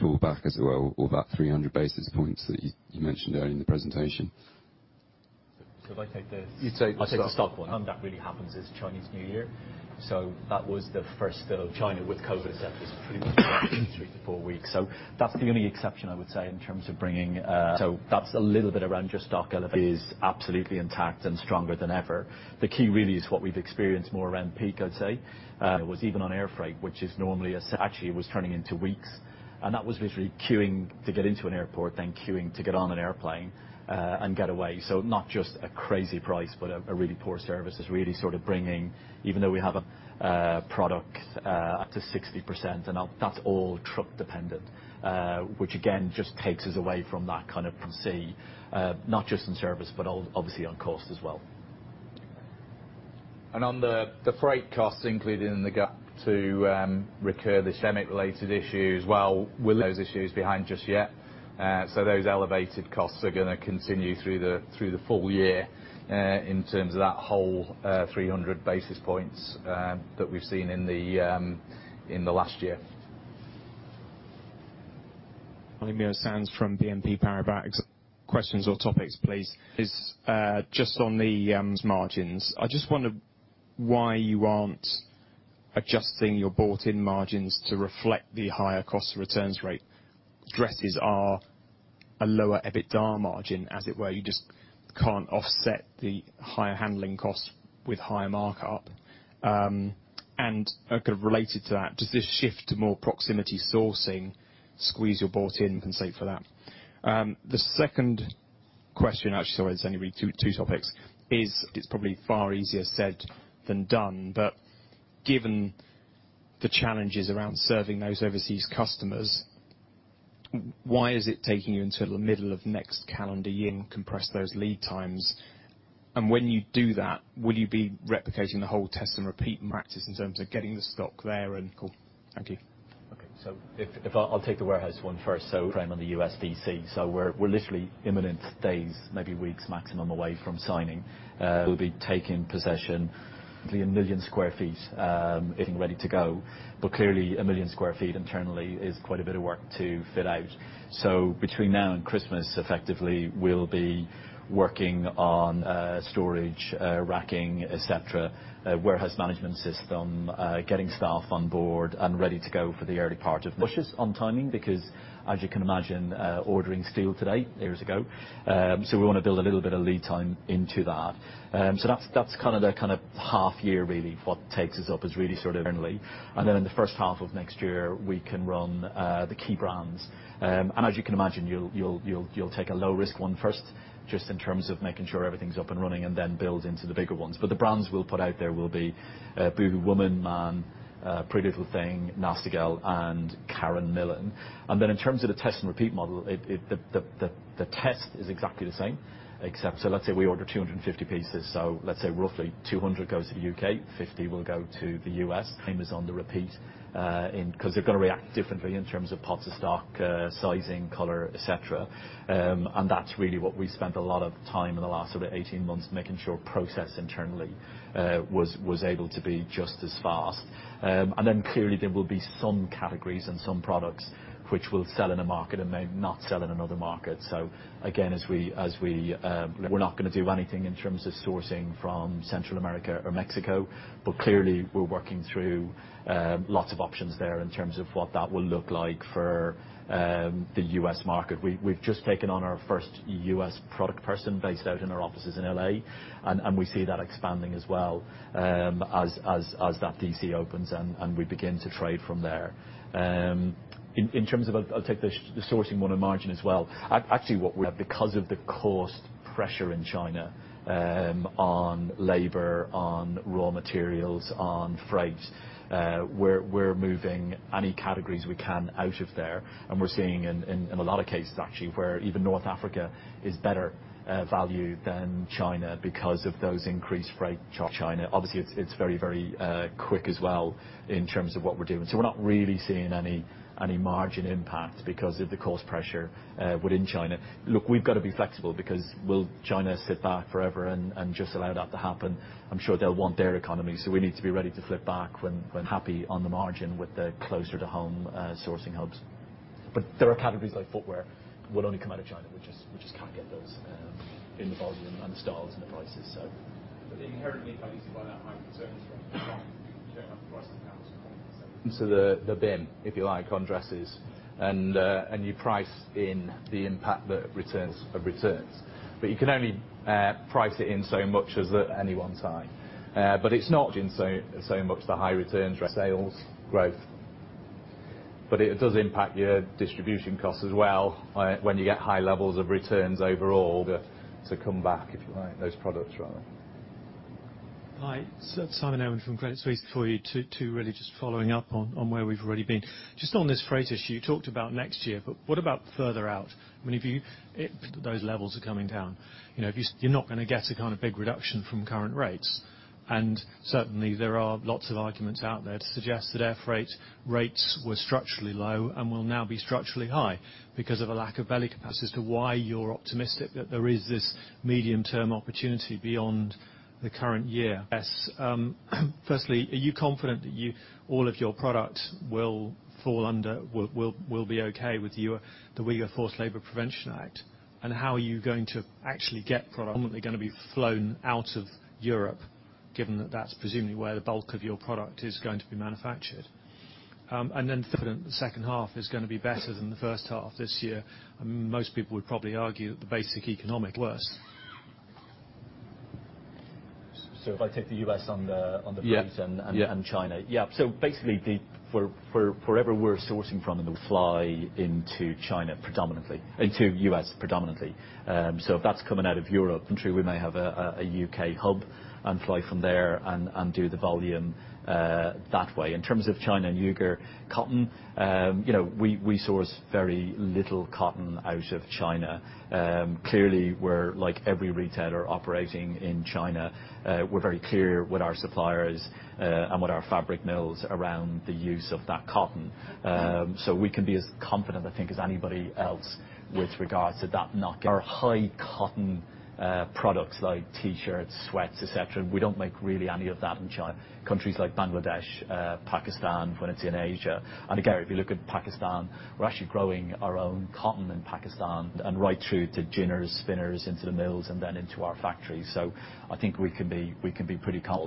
fall back as well, or that 300 basis points that you mentioned earlier in the presentation? If I take the You take the stock. I'll take the stock one. When that really happens is Chinese New Year. That was the first China with COVID, et cetera, is pretty much three-four weeks. That's the only exception I would say in terms of bringing. That's a little bit around your stock levels is absolutely intact and stronger than ever. The key really is what we've experienced more around peak, I'd say. It was even on air freight, which is normally. Actually it was turning into weeks. That was literally queuing to get into an airport, then queuing to get on an airplane, and get away. Not just a crazy price, but a really poor service is really sort of bringing, even though we have a product up to 60% and that's all truck dependent, which again just takes us away from that kind of from sea, not just in service, but obviously on cost as well. On the freight costs included in the gap to recover from the pandemic-related issues, well, are those issues behind us just yet. Those elevated costs are gonna continue through the full year in terms of that whole 300 basis points that we've seen in the last year. Charlie Muir-Sands from BNP Paribas. Questions or topics, please. Just on the margins. I just wonder why you aren't adjusting your bought-in margins to reflect the higher cost of returns rate. Dresses are a lower EBITDA margin, as it were. You just can't offset the higher handling costs with higher markup. Kind of related to that, does this shift to more proximity sourcing squeeze your bought-in margin for that? The second question, actually, sorry, it's only really two topics, is it's probably far easier said than done, but given the challenges around serving those overseas customers, why is it taking you until the middle of next calendar year to compress those lead times? And when you do that, will you be replicating the whole test and repeat practice in terms of getting the stock there? Cool. Thank you. Okay. I'll take the warehouse one first. We're on the U.S. DC. We're literally imminent days, maybe weeks maximum away from signing. We'll be taking possession of 1 million sq ft, getting ready to go. But clearly 1 million sq ft internally is quite a bit of work to fit out. Between now and Christmas, effectively, we'll be working on storage, racking, et cetera, a warehouse management system, getting staff on board and ready to go for the early part of next. Pushes on timing because as you can imagine, ordering steel today takes years. We want to build a little bit of lead time into that. That's kind of the half year really what takes us up is really sort of internally. Then in the first half of next year, we can run the key brands. As you can imagine, you'll take a low risk one first just in terms of making sure everything's up and running and then build into the bigger ones. The brands we'll put out there will be boohoo woman, boohooMAN, PrettyLittleThing, Nasty Gal, and Karen Millen. In terms of the test and repeat model, The test is exactly the same, except so let's say we order 250 pieces, so let's say roughly 200 goes to the U.K., 50 will go to the U.S. Time is on the repeat, 'cause they're gonna react differently in terms of parts of stock, sizing, color, et cetera. That's really what we spent a lot of time in the last sort of 18 months making sure process internally was able to be just as fast. Clearly there will be some categories and some products which will sell in a market and may not sell in another market. Again, we're not gonna do anything in terms of sourcing from Central America or Mexico, but clearly we're working through lots of options there in terms of what that will look like for the U.S. market. We've just taken on our first U.S. product person based out in our offices in L.A., and we see that expanding as well, as that D.C. opens and we begin to trade from there. In terms of-- I'll take the sourcing one and margin as well. Actually what we're doing. Because of the cost pressure in China, on labor, on raw materials, on freight, we're moving any categories we can out of there, and we're seeing in a lot of cases actually, where even North Africa is better value than China because of those increased freight charges, China. Obviously, it's very quick as well in terms of what we're doing. So we're not really seeing any margin impact because of the cost pressure within China. Look, we've got to be flexible because will China sit back forever and just allow that to happen? I'm sure they'll want their economy, so we need to be ready to flip back when happy on the margin with the closer to home sourcing hubs. There are categories like footwear will only come out of China. We just can't get those in the volume and the styles and the prices so. They're inherently quite easy to buy that high returns rate because you don't have to price them down so much. Into the bin, if you like, on dresses. You price in the impact that returns have returns. You can only price it in so much as at any one time. It's not in so much the high returns sales growth. It does impact your distribution costs as well, when you get high levels of returns overall to come back, if you like, those products rather. Hi. Simon Owen from Credit Suisse. For you two, really just following up on where we've already been. Just on this freight issue, you talked about next year, but what about further out? I mean, if those levels are coming down. You know, if you're not gonna get a kinda big reduction from current rates. Certainly, there are lots of arguments out there to suggest that air freight rates were structurally low and will now be structurally high because of a lack of belly capacity. As to why you're optimistic that there is this medium-term opportunity beyond the current year. Firstly, are you confident that all of your product will be okay with the Uyghur Forced Labor Prevention Act? How are you going to actually get product predominantly gonna be flown out of Europe, given that that's presumably where the bulk of your product is going to be manufactured. Then second, the second half is gonna be better than the first half this year. Most people would probably argue that the basic economics worse. If I take the U.S. on the freights. Yeah. Yeah Wherever we're sourcing from will fly into China, predominantly into the U.S. If that's coming out of Europe, and truly we may have a U.K. hub and fly from there and do the volume that way. In terms of China and Uyghur cotton, you know, we source very little cotton out of China. Clearly we're like every retailer operating in China, we're very clear with our suppliers and with our fabric mills around the use of that cotton. We can be as confident, I think, as anybody else with regards to that not getting into our high cotton products like T-shirts, sweats, et cetera. We don't make really any of that in China. Countries like Bangladesh, Pakistan, when it's in Asia. Again, if you look at Pakistan, we're actually growing our own cotton in Pakistan and right through to ginners, spinners, into the mills, and then into our factories. You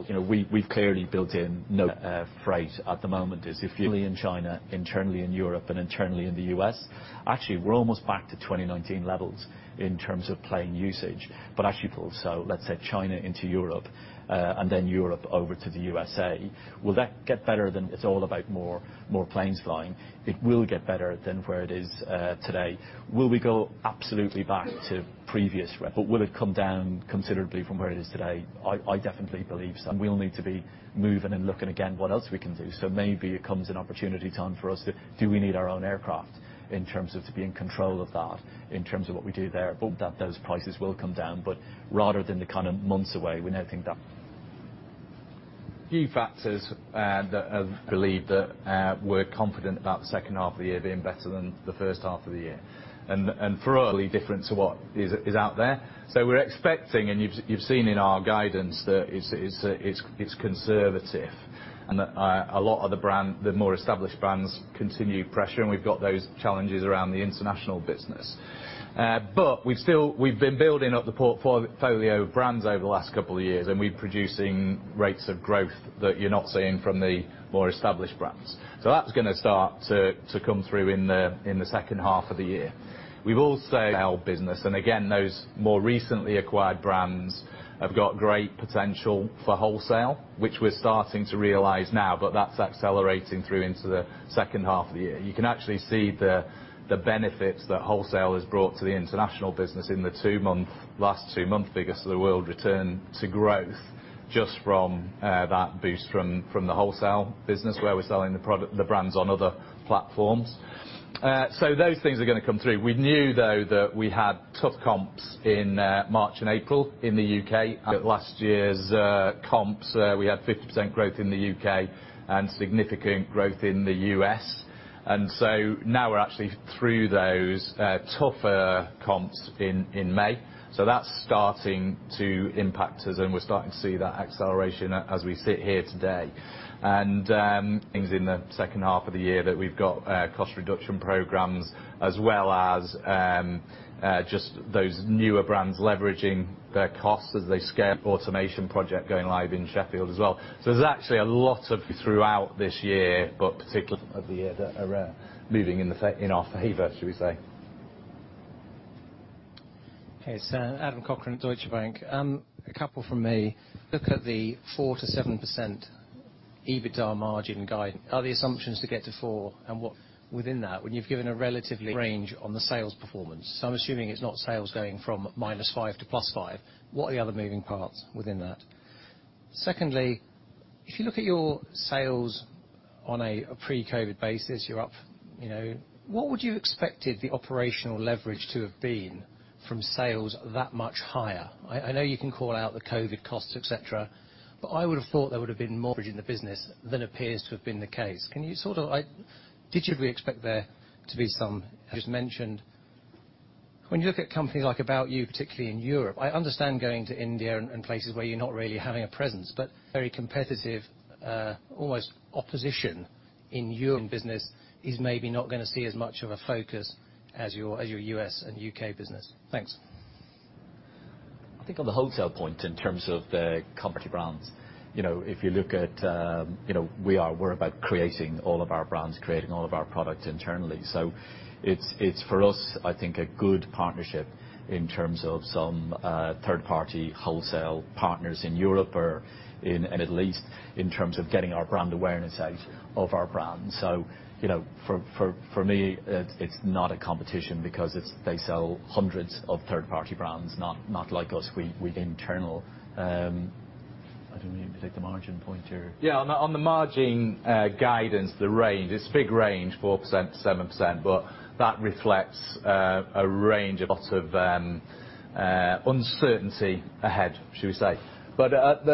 know, we've clearly built in no freight at the moment. Only in China, internally in Europe, and internally in the U.S. Actually, we're almost back to 2019 levels in terms of plane usage. Let's say China into Europe, and then Europe over to the U.S. Will that get better then? It's all about more planes flying. It will get better than where it is today. Will it come down considerably from where it is today? I definitely believe so. We'll need to be moving and looking again what else we can do. Maybe it comes an opportunity time for us we need our own aircraft in terms of to be in control of that, in terms of what we do there. Those prices will come down, but rather than the kind of months away, we now think that key factors that have led us to believe that we're confident about the second half of the year being better than the first half of the year. Thoroughly different to what is out there. We're expecting, and you've seen in our guidance, that it's conservative and that a lot of the brand, the more established brands continue under pressure, and we've got those challenges around the international business. We've been building up the portfolio of brands over the last couple of years, and we're producing rates of growth that you're not seeing from the more established brands. That's gonna start to come through in the second half of the year. Again, those more recently acquired brands have got great potential for wholesale, which we're starting to realize now, but that's accelerating through into the second half of the year. You can actually see the benefits that wholesale has brought to the international business in the last two months' figures where the world returned to growth just from that boost from the wholesale business where we're selling the brands on other platforms. Those things are gonna come through. We knew, though, that we had tough comps in March and April in the U.K. at last year's comps. We had 50% growth in the U.K. and significant growth in the U.S. Now we're actually through those tougher comps in May. That's starting to impact us, and we're starting to see that acceleration as we sit here today. Things in the second half of the year that we've got, cost reduction programs as well as just those newer brands leveraging their costs as they scale, automation project going live in Sheffield as well. There's actually a lot throughout this year, but particularly of the year that are moving in our favor, should we say. Okay. Adam Cochrane at Deutsche Bank. A couple from me. Look at the 4%-7% EBITDA margin guide. Are the assumptions to get to 4%, and what within that when you've given a relatively range on the sales performance? I'm assuming it's not sales going from -5% to +5%. What are the other moving parts within that? Secondly, if you look at your sales on a pre-COVID basis, you're up, you know. What would you expected the operational leverage to have been from sales that much higher? I know you can call out the COVID costs, et cetera, but I would have thought there would have been more leverage in the business than appears to have been the case. Did you really expect there to be some, as mentioned. When you look at companies like About You, particularly in Europe, I understand going to India and places where you're not really having a presence, but very competitive opposition in European business is maybe not gonna see as much of a focus as your U.S. and U.K. business. Thanks. I think on the wholesale point, in terms of the complementary brands, you know, if you look at, you know, we're about creating all of our brands, creating all of our products internally. It's for us, I think, a good partnership in terms of some third-party wholesale partners in Europe or in, and at least in terms of getting our brand awareness out for our brand. You know, for me, it's not a competition because it's they sell hundreds of third-party brands, not like us, we internal. I don't know, you take the margin point here. Yeah. On the margin guidance, the range, it's a big range, 4%-7%, but that reflects a range, a lot of uncertainty ahead, should we say. At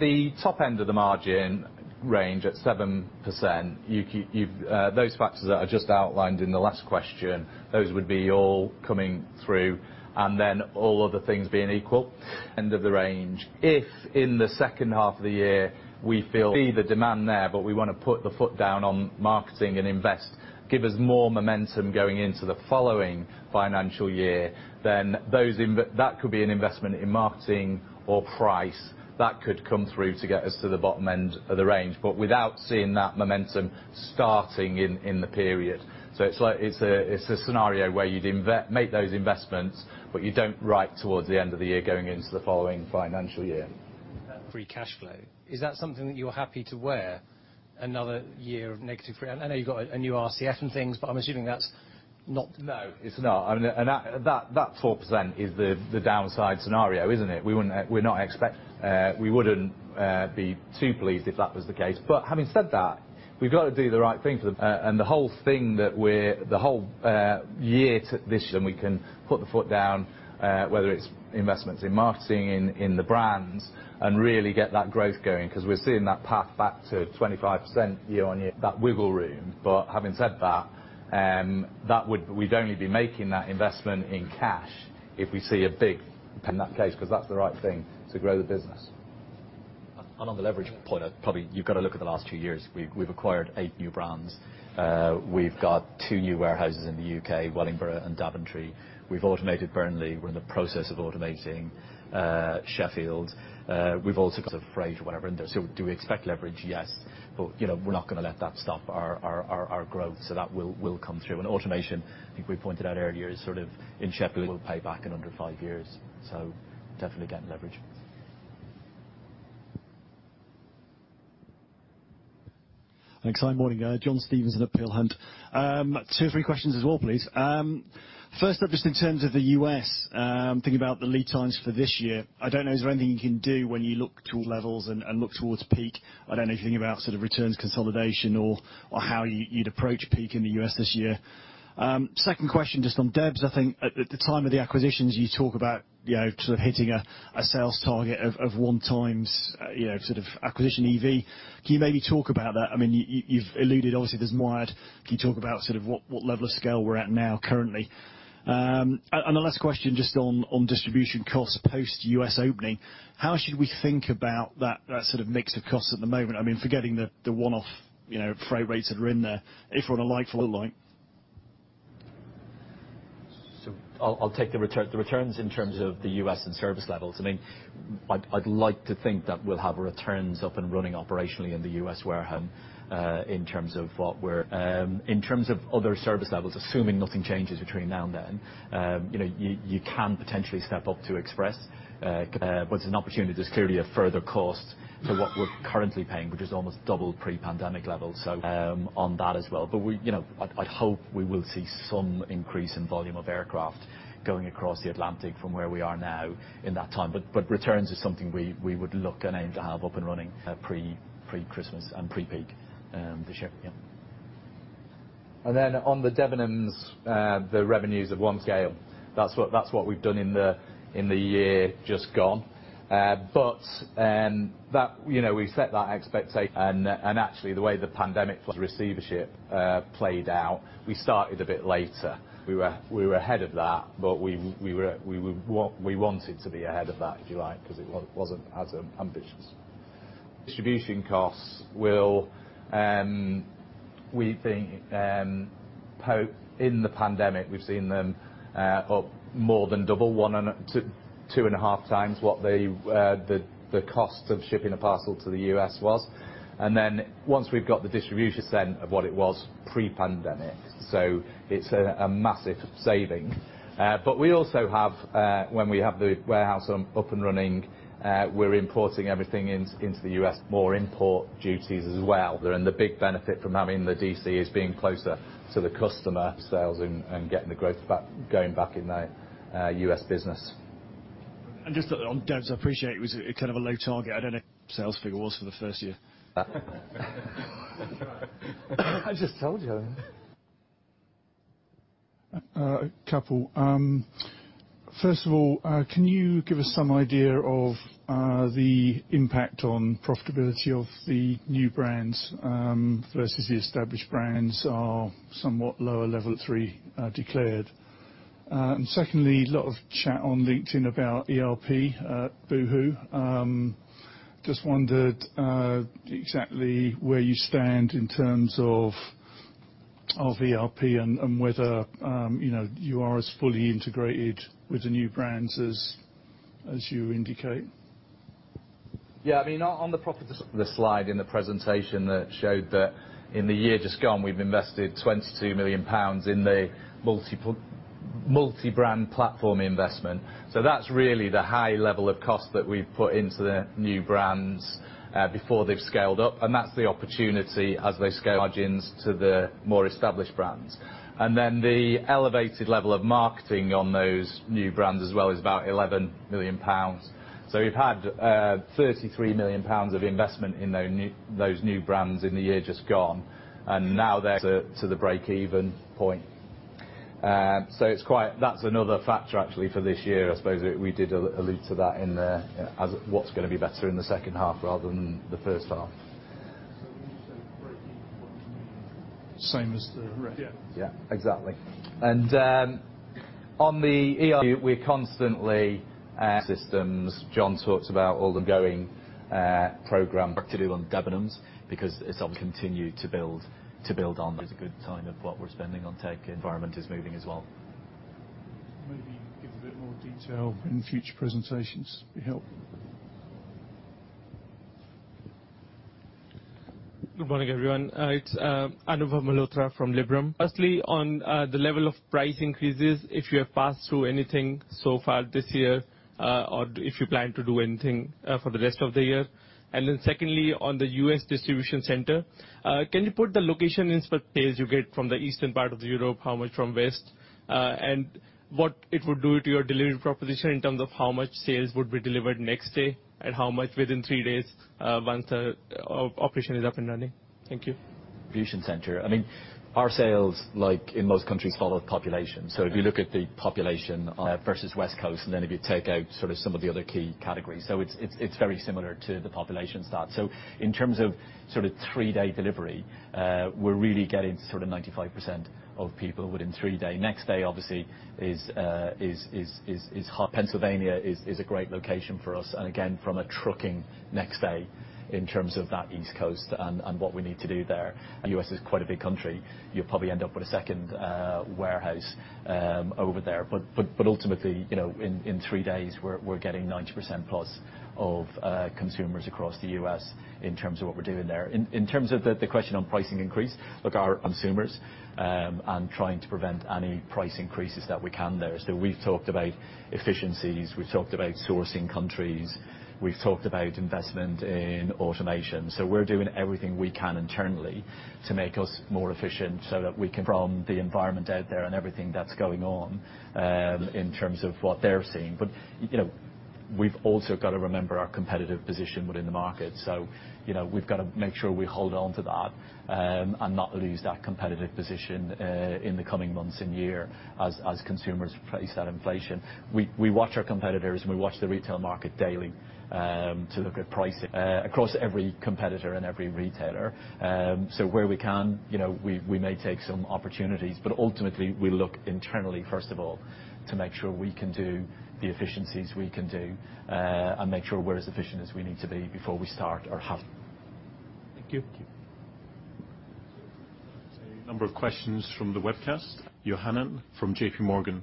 the top end of the margin range, at 7%, you've those factors that I just outlined in the last question, those would be all coming through and then all other things being equal, end of the range. If in the second half of the year, we see the demand there, but we wanna put the foot down on marketing and invest, give us more momentum going into the following financial year, then that could be an investment in marketing or price. That could come through to get us to the bottom end of the range, but without seeing that momentum starting in the period. It's like it's a scenario where you'd make those investments, but you don't write towards the end of the year going into the following financial year. Free cash flow. Is that something that you're happy to bear another year of negative free cash flow? I know you've got a new RCF and things, but I'm assuming that's not. No, it's not. I mean, that 4% is the downside scenario, isn't it? We wouldn't be too pleased if that was the case. Having said that, we've got to do the right thing for the whole year up to this, then we can put the foot down, whether it's investments in marketing, in the brands, and really get that growth going, 'cause we're seeing that path back to 25% year-on-year, that wiggle room. Having said that, we'd only be making that investment in cash if we see a big win in that case, 'cause that's the right thing to grow the business. On the leverage point, probably you've got to look at the last two years. We've acquired eight new brands. We've got two new warehouses in the U.K., Wellingborough and Daventry. We've automated Burnley. We're in the process of automating Sheffield. We've also got a fourth or whatever in there. Do we expect leverage? Yes. You know, we're not gonna let that stop our growth, so that will come through. Automation, I think we pointed out earlier, is sort of in Sheffield, will pay back in under five years. Definitely getting leverage. Thanks. Hi. Morning. John Stevenson at Peel Hunt. Two or three questions as well, please. First up, just in terms of the U.S., thinking about the lead times for this year, I don't know, is there anything you can do when you look to all levels and look towards peak? I don't know if you think about sort of returns consolidation or how you'd approach peak in the U.S. this year. Second question, just on Debenhams, I think at the time of the acquisitions, you talk about, you know, sort of hitting a sales target of 1x, you know, sort of acquisition EV. Can you maybe talk about that? I mean, you've alluded, obviously, there's more to add. Can you talk about sort of what level of scale we're at now currently? The last question just on distribution costs post U.S. opening, how should we think about that sort of mix of costs at the moment? I mean, forgetting the one-off, you know, freight rates that are in there. If you want a like for like. I'll take the returns in terms of the U.S. and service levels. I mean, I'd like to think that we'll have returns up and running operationally in the U.S. warehouse in terms of other service levels, assuming nothing changes between now and then, you know, you can potentially step up to express, but it's an opportunity. There's clearly a further cost to what we're currently paying, which is almost double pre-pandemic levels, so on that as well. You know, I hope we will see some increase in volume of aircraft going across the Atlantic from where we are now in that time. Returns is something we would look and aim to have up and running pre-Christmas and pre-peak this year. On the Debenhams, the revenues on one scale, that's what we've done in the year just gone. That, you know, we set that expectation, and actually the way the pandemic plus receivership played out, we started a bit later. We were ahead of that, but we wanted to be ahead of that, if you like, because it wasn't as ambitious. Distribution costs will, we think. In the pandemic, we've seen them up more than double, 1.5x-2.5x what the cost of shipping a parcel to the U.S. was. Once we've got the distribution center to what it was pre-pandemic. It's a massive saving. We also have, when we have the warehouse up and running, we're importing everything into the U.S., more import duties as well. The big benefit from having the D.C. is being closer to the customer sales and getting the growth back, going back in the U.S. business. Just on DEBS, I appreciate it was a kind of a low target. I don't know what the sales figure was for the first year. I just told you. A couple. First of all, can you give us some idea of the impact on profitability of the new brands versus the established brands are somewhat lower level at 3% declared. Secondly, a lot of chat on LinkedIn about ERP at boohoo. Just wondered exactly where you stand in terms of ERP and whether you know you are as fully integrated with the new brands as you indicate. Yeah. I mean, on the profit, the slide in the presentation that showed that in the year just gone, we've invested 22 million pounds in the multi-brand platform investment. That's really the high level of cost that we've put into the new brands before they've scaled up, and that's the opportunity as they scale margins to the more established brands. Then the elevated level of marketing on those new brands as well is about 11 million pounds. We've had 33 million pounds of investment in those new brands in the year just gone, and now they're to the break-even point. That's another factor actually for this year. I suppose we did allude to that in the as what's gonna be better in the second half rather than the first half. When you say break-even point, you mean same as the rec? Yeah. Exactly. On the ERP, we're constantly systems. John talked about all the ongoing program work to do on Debenhams because it's obviously continued to build on. That is a good sign of what we're spending on tech environment is moving as well. Maybe give a bit more detail in future presentations. Be a help. Good morning, everyone. It's Anubhav Malhotra from Liberum. Firstly, on the level of price increases, if you have passed through anything so far this year, or if you plan to do anything for the rest of the year. Secondly, on the U.S. distribution center, can you provide the location insights you get from the eastern part of Europe, how much from west, and what it would do to your delivery proposition in terms of how much sales would be delivered next day and how much within three days, once the operation is up and running? Thank you. Distribution center. I mean, our sales, like in most countries, follow population. So if you look at the population versus West Coast, and then if you take out sort of some of the other key categories. So it's very similar to the population stat. So in terms of sort of three-day delivery, we're really getting sort of 95% of people within three day. Next day, obviously, is hot. Pennsylvania is a great location for us, and again, from a trucking next day in terms of that East Coast and what we need to do there. U.S. is quite a big country. You'll probably end up with a second warehouse over there. Ultimately, you know, in three days, we're getting +90% of consumers across the U.S. in terms of what we're doing there. In terms of the question on pricing increase, look, our consumers and trying to prevent any price increases that we can there. We've talked about efficiencies, we've talked about sourcing countries, we've talked about investment in automation. We're doing everything we can internally to make us more efficient so that we can, from the environment out there and everything that's going on, in terms of what they're seeing. You know, we've also got to remember our competitive position within the market. You know, we've got to make sure we hold on to that and not lose that competitive position in the coming months and year as consumers face that inflation. We watch our competitors, and we watch the retail market daily, to look at pricing, across every competitor and every retailer. Where we can, you know, we may take some opportunities. Ultimately, we look internally, first of all, to make sure we can do the efficiencies we can do, and make sure we're as efficient as we need to be before we start or have. Thank you. Thank you. A number of questions from the webcast. Johanna from J.P. Morgan.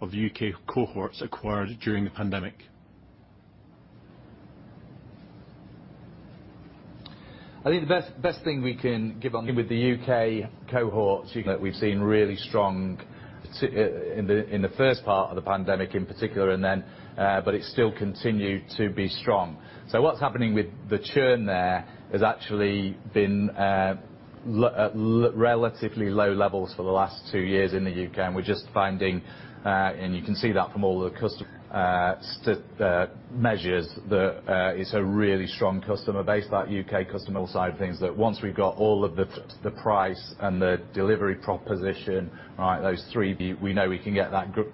Of the U.K. cohorts acquired during the pandemic. I think the best thing we can give on with the U.K. cohorts, you know, we've seen really strong in the first part of the pandemic in particular, and then but it still continued to be strong. What's happening with the churn there has actually been relatively low levels for the last two years in the U.K., and we're just finding and you can see that from all the customer satisfaction measures that it's a really strong customer base. That U.K. customer side of things that once we've got all of the price and the delivery proposition right, those three, we know we can get that group,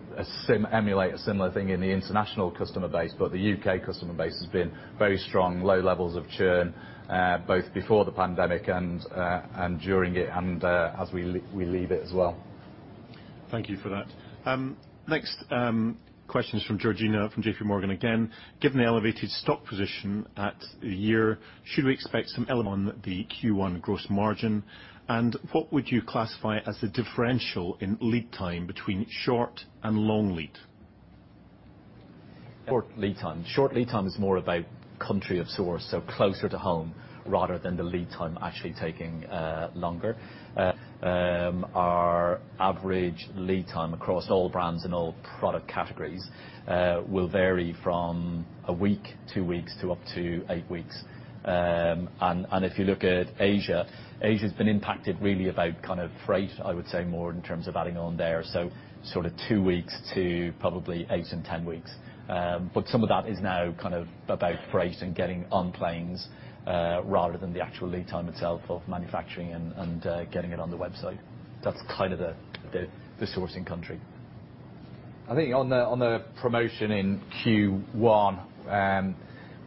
emulate a similar thing in the international customer base. The U.K. customer base has been very strong, low levels of churn, both before the pandemic and during it and as we leave it as well. Thank you for that. Next, question is from Georgina from J.P. Morgan again. Given the elevated stock position at year-end, should we expect some element on the Q1 gross margin? And what would you classify as the differential in lead time between short and long lead? Short lead time. Short lead time is more about country of source, so closer to home rather than the lead time actually taking longer. Our average lead time across all brands and all product categories will vary from a week, two weeks to up to eight weeks. If you look at Asia's been impacted really about kind of freight, I would say more in terms of adding on there. Sort of two weeks to probably 8 and 10 weeks. Some of that is now kind of about freight and getting on planes rather than the actual lead time itself of manufacturing and getting it on the website. That's kind of the sourcing country. I think on the promotion in Q1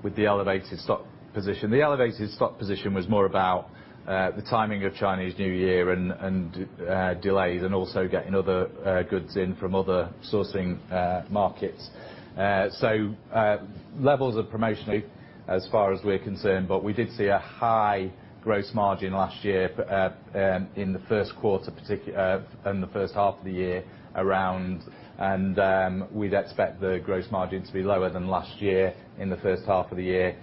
with the elevated stock position. The elevated stock position was more about the timing of Chinese New Year and delays, and also getting other goods in from other sourcing markets. Levels of promotion as far as we're concerned, but we did see a high gross margin last year in the first half of the year around, and we'd expect the gross margin to be lower than last year in the first half of the year.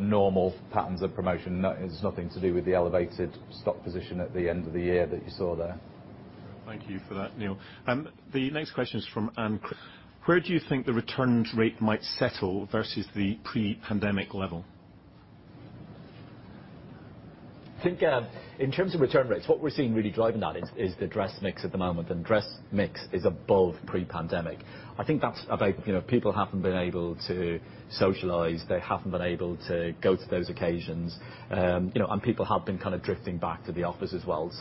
Normal patterns of promotion. It's nothing to do with the elevated stock position at the end of the year that you saw there. Thank you for that, Neil. The next question is from Ann. Where do you think the returns rate might settle versus the pre-pandemic level? I think in terms of return rates, what we're seeing really driving that is the dress mix at the moment, and dress mix is above pre-pandemic. I think that's about, you know, people haven't been able to socialize. They haven't been able to go to those occasions. You know, people have been kinda drifting back to the office as well.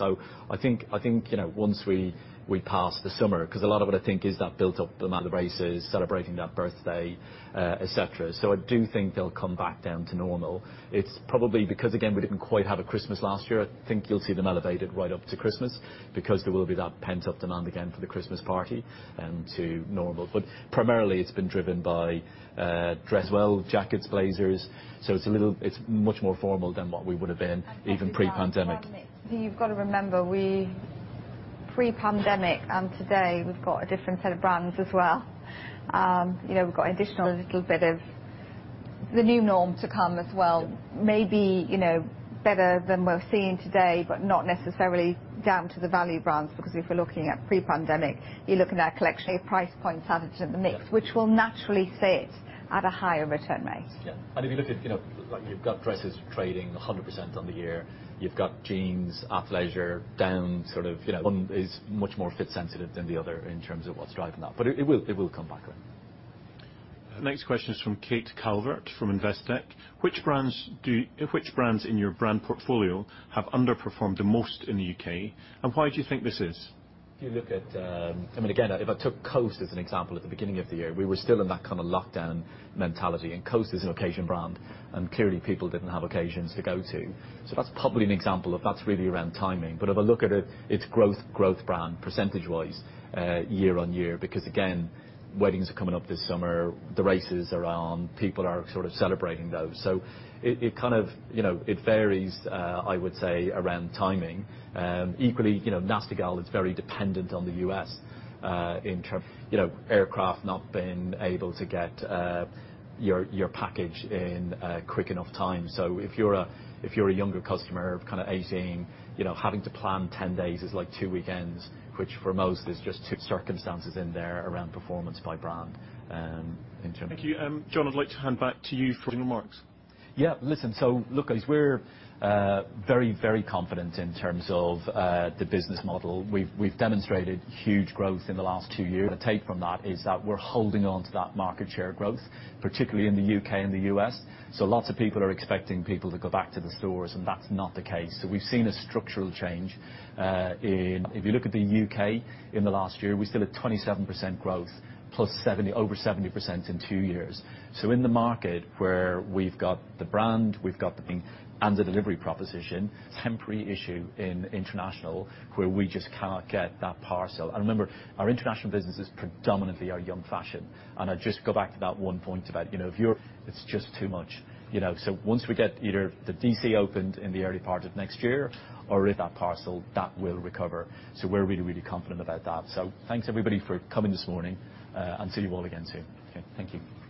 I think, you know, once we pass the summer, 'cause a lot of what I think is that built-up amount of dresses, celebrating that birthday, et cetera. I do think they'll come back down to normal. It's probably because, again, we didn't quite have a Christmas last year. I think you'll see them elevated right up to Christmas because there will be that pent-up demand again for the Christmas party and to normal. Primarily, it's been driven by dresses, well, jackets, blazers. It's much more formal than what we would've been even pre-pandemic. You've gotta remember, we pre-pandemic and today we've got a different set of brands as well. You know, we've got additional little bit of the new norm to come as well. Maybe, you know, better than we're seeing today, but not necessarily down to the value brands, because if we're looking at pre-pandemic, you're looking at collection at a price point added to the mix, which will naturally sit at a higher return rate. Yeah. If you looked at, you know, like you've got dresses trading 100% on the year. You've got jeans, athleisure down sort of, you know, is much more fit sensitive than the other in terms of what's driving that. It will come back around. Next question is from Kate Calvert from Investec. Which brands in your brand portfolio have underperformed the most in the U.K., and why do you think this is? If you look at, I mean, again, if I took Coast as an example at the beginning of the year, we were still in that kinda lockdown mentality, and Coast is an occasion brand, and clearly people didn't have occasions to go to. That's probably an example of that that's really around timing. If I look at it's growth brand percentage-wise, year-over-year, because again, weddings are coming up this summer, the races are on, people are sort of celebrating those. It kind of, you know, it varies, I would say, around timing. Equally, you know, Nasty Gal is very dependent on the U.S., in terms, you know, air freight not being able to get your package in a quick enough time. If you're a younger customer, kind of 18, you know, having to plan 10 days is like two weekends, which for most is just two circumstances in there around performance by brand, in terms Thank you. John, I'd like to hand back to you for your remarks. Listen, look, as we're very, very confident in terms of the business model. We've demonstrated huge growth in the last two years. The take from that is that we're holding on to that market share growth, particularly in the U.K. and the U.S. Lots of people are expecting people to go back to the stores, and that's not the case. We've seen a structural change. If you look at the U.K. in the last year, we still had 27% growth +70%, over 70% in two years. In the market where we've got the brand, we've got the brand and the delivery proposition temporary issue in international where we just cannot get that parcel. Remember, our international business is predominantly our young fashion. I just go back to that one point about, you know, it's just too much. You know? Once we get either the DC opened in the early part of next year or with that parcel, that will recover. We're really, really confident about that. Thanks everybody for coming this morning, and see you all again soon. Okay. Thank you.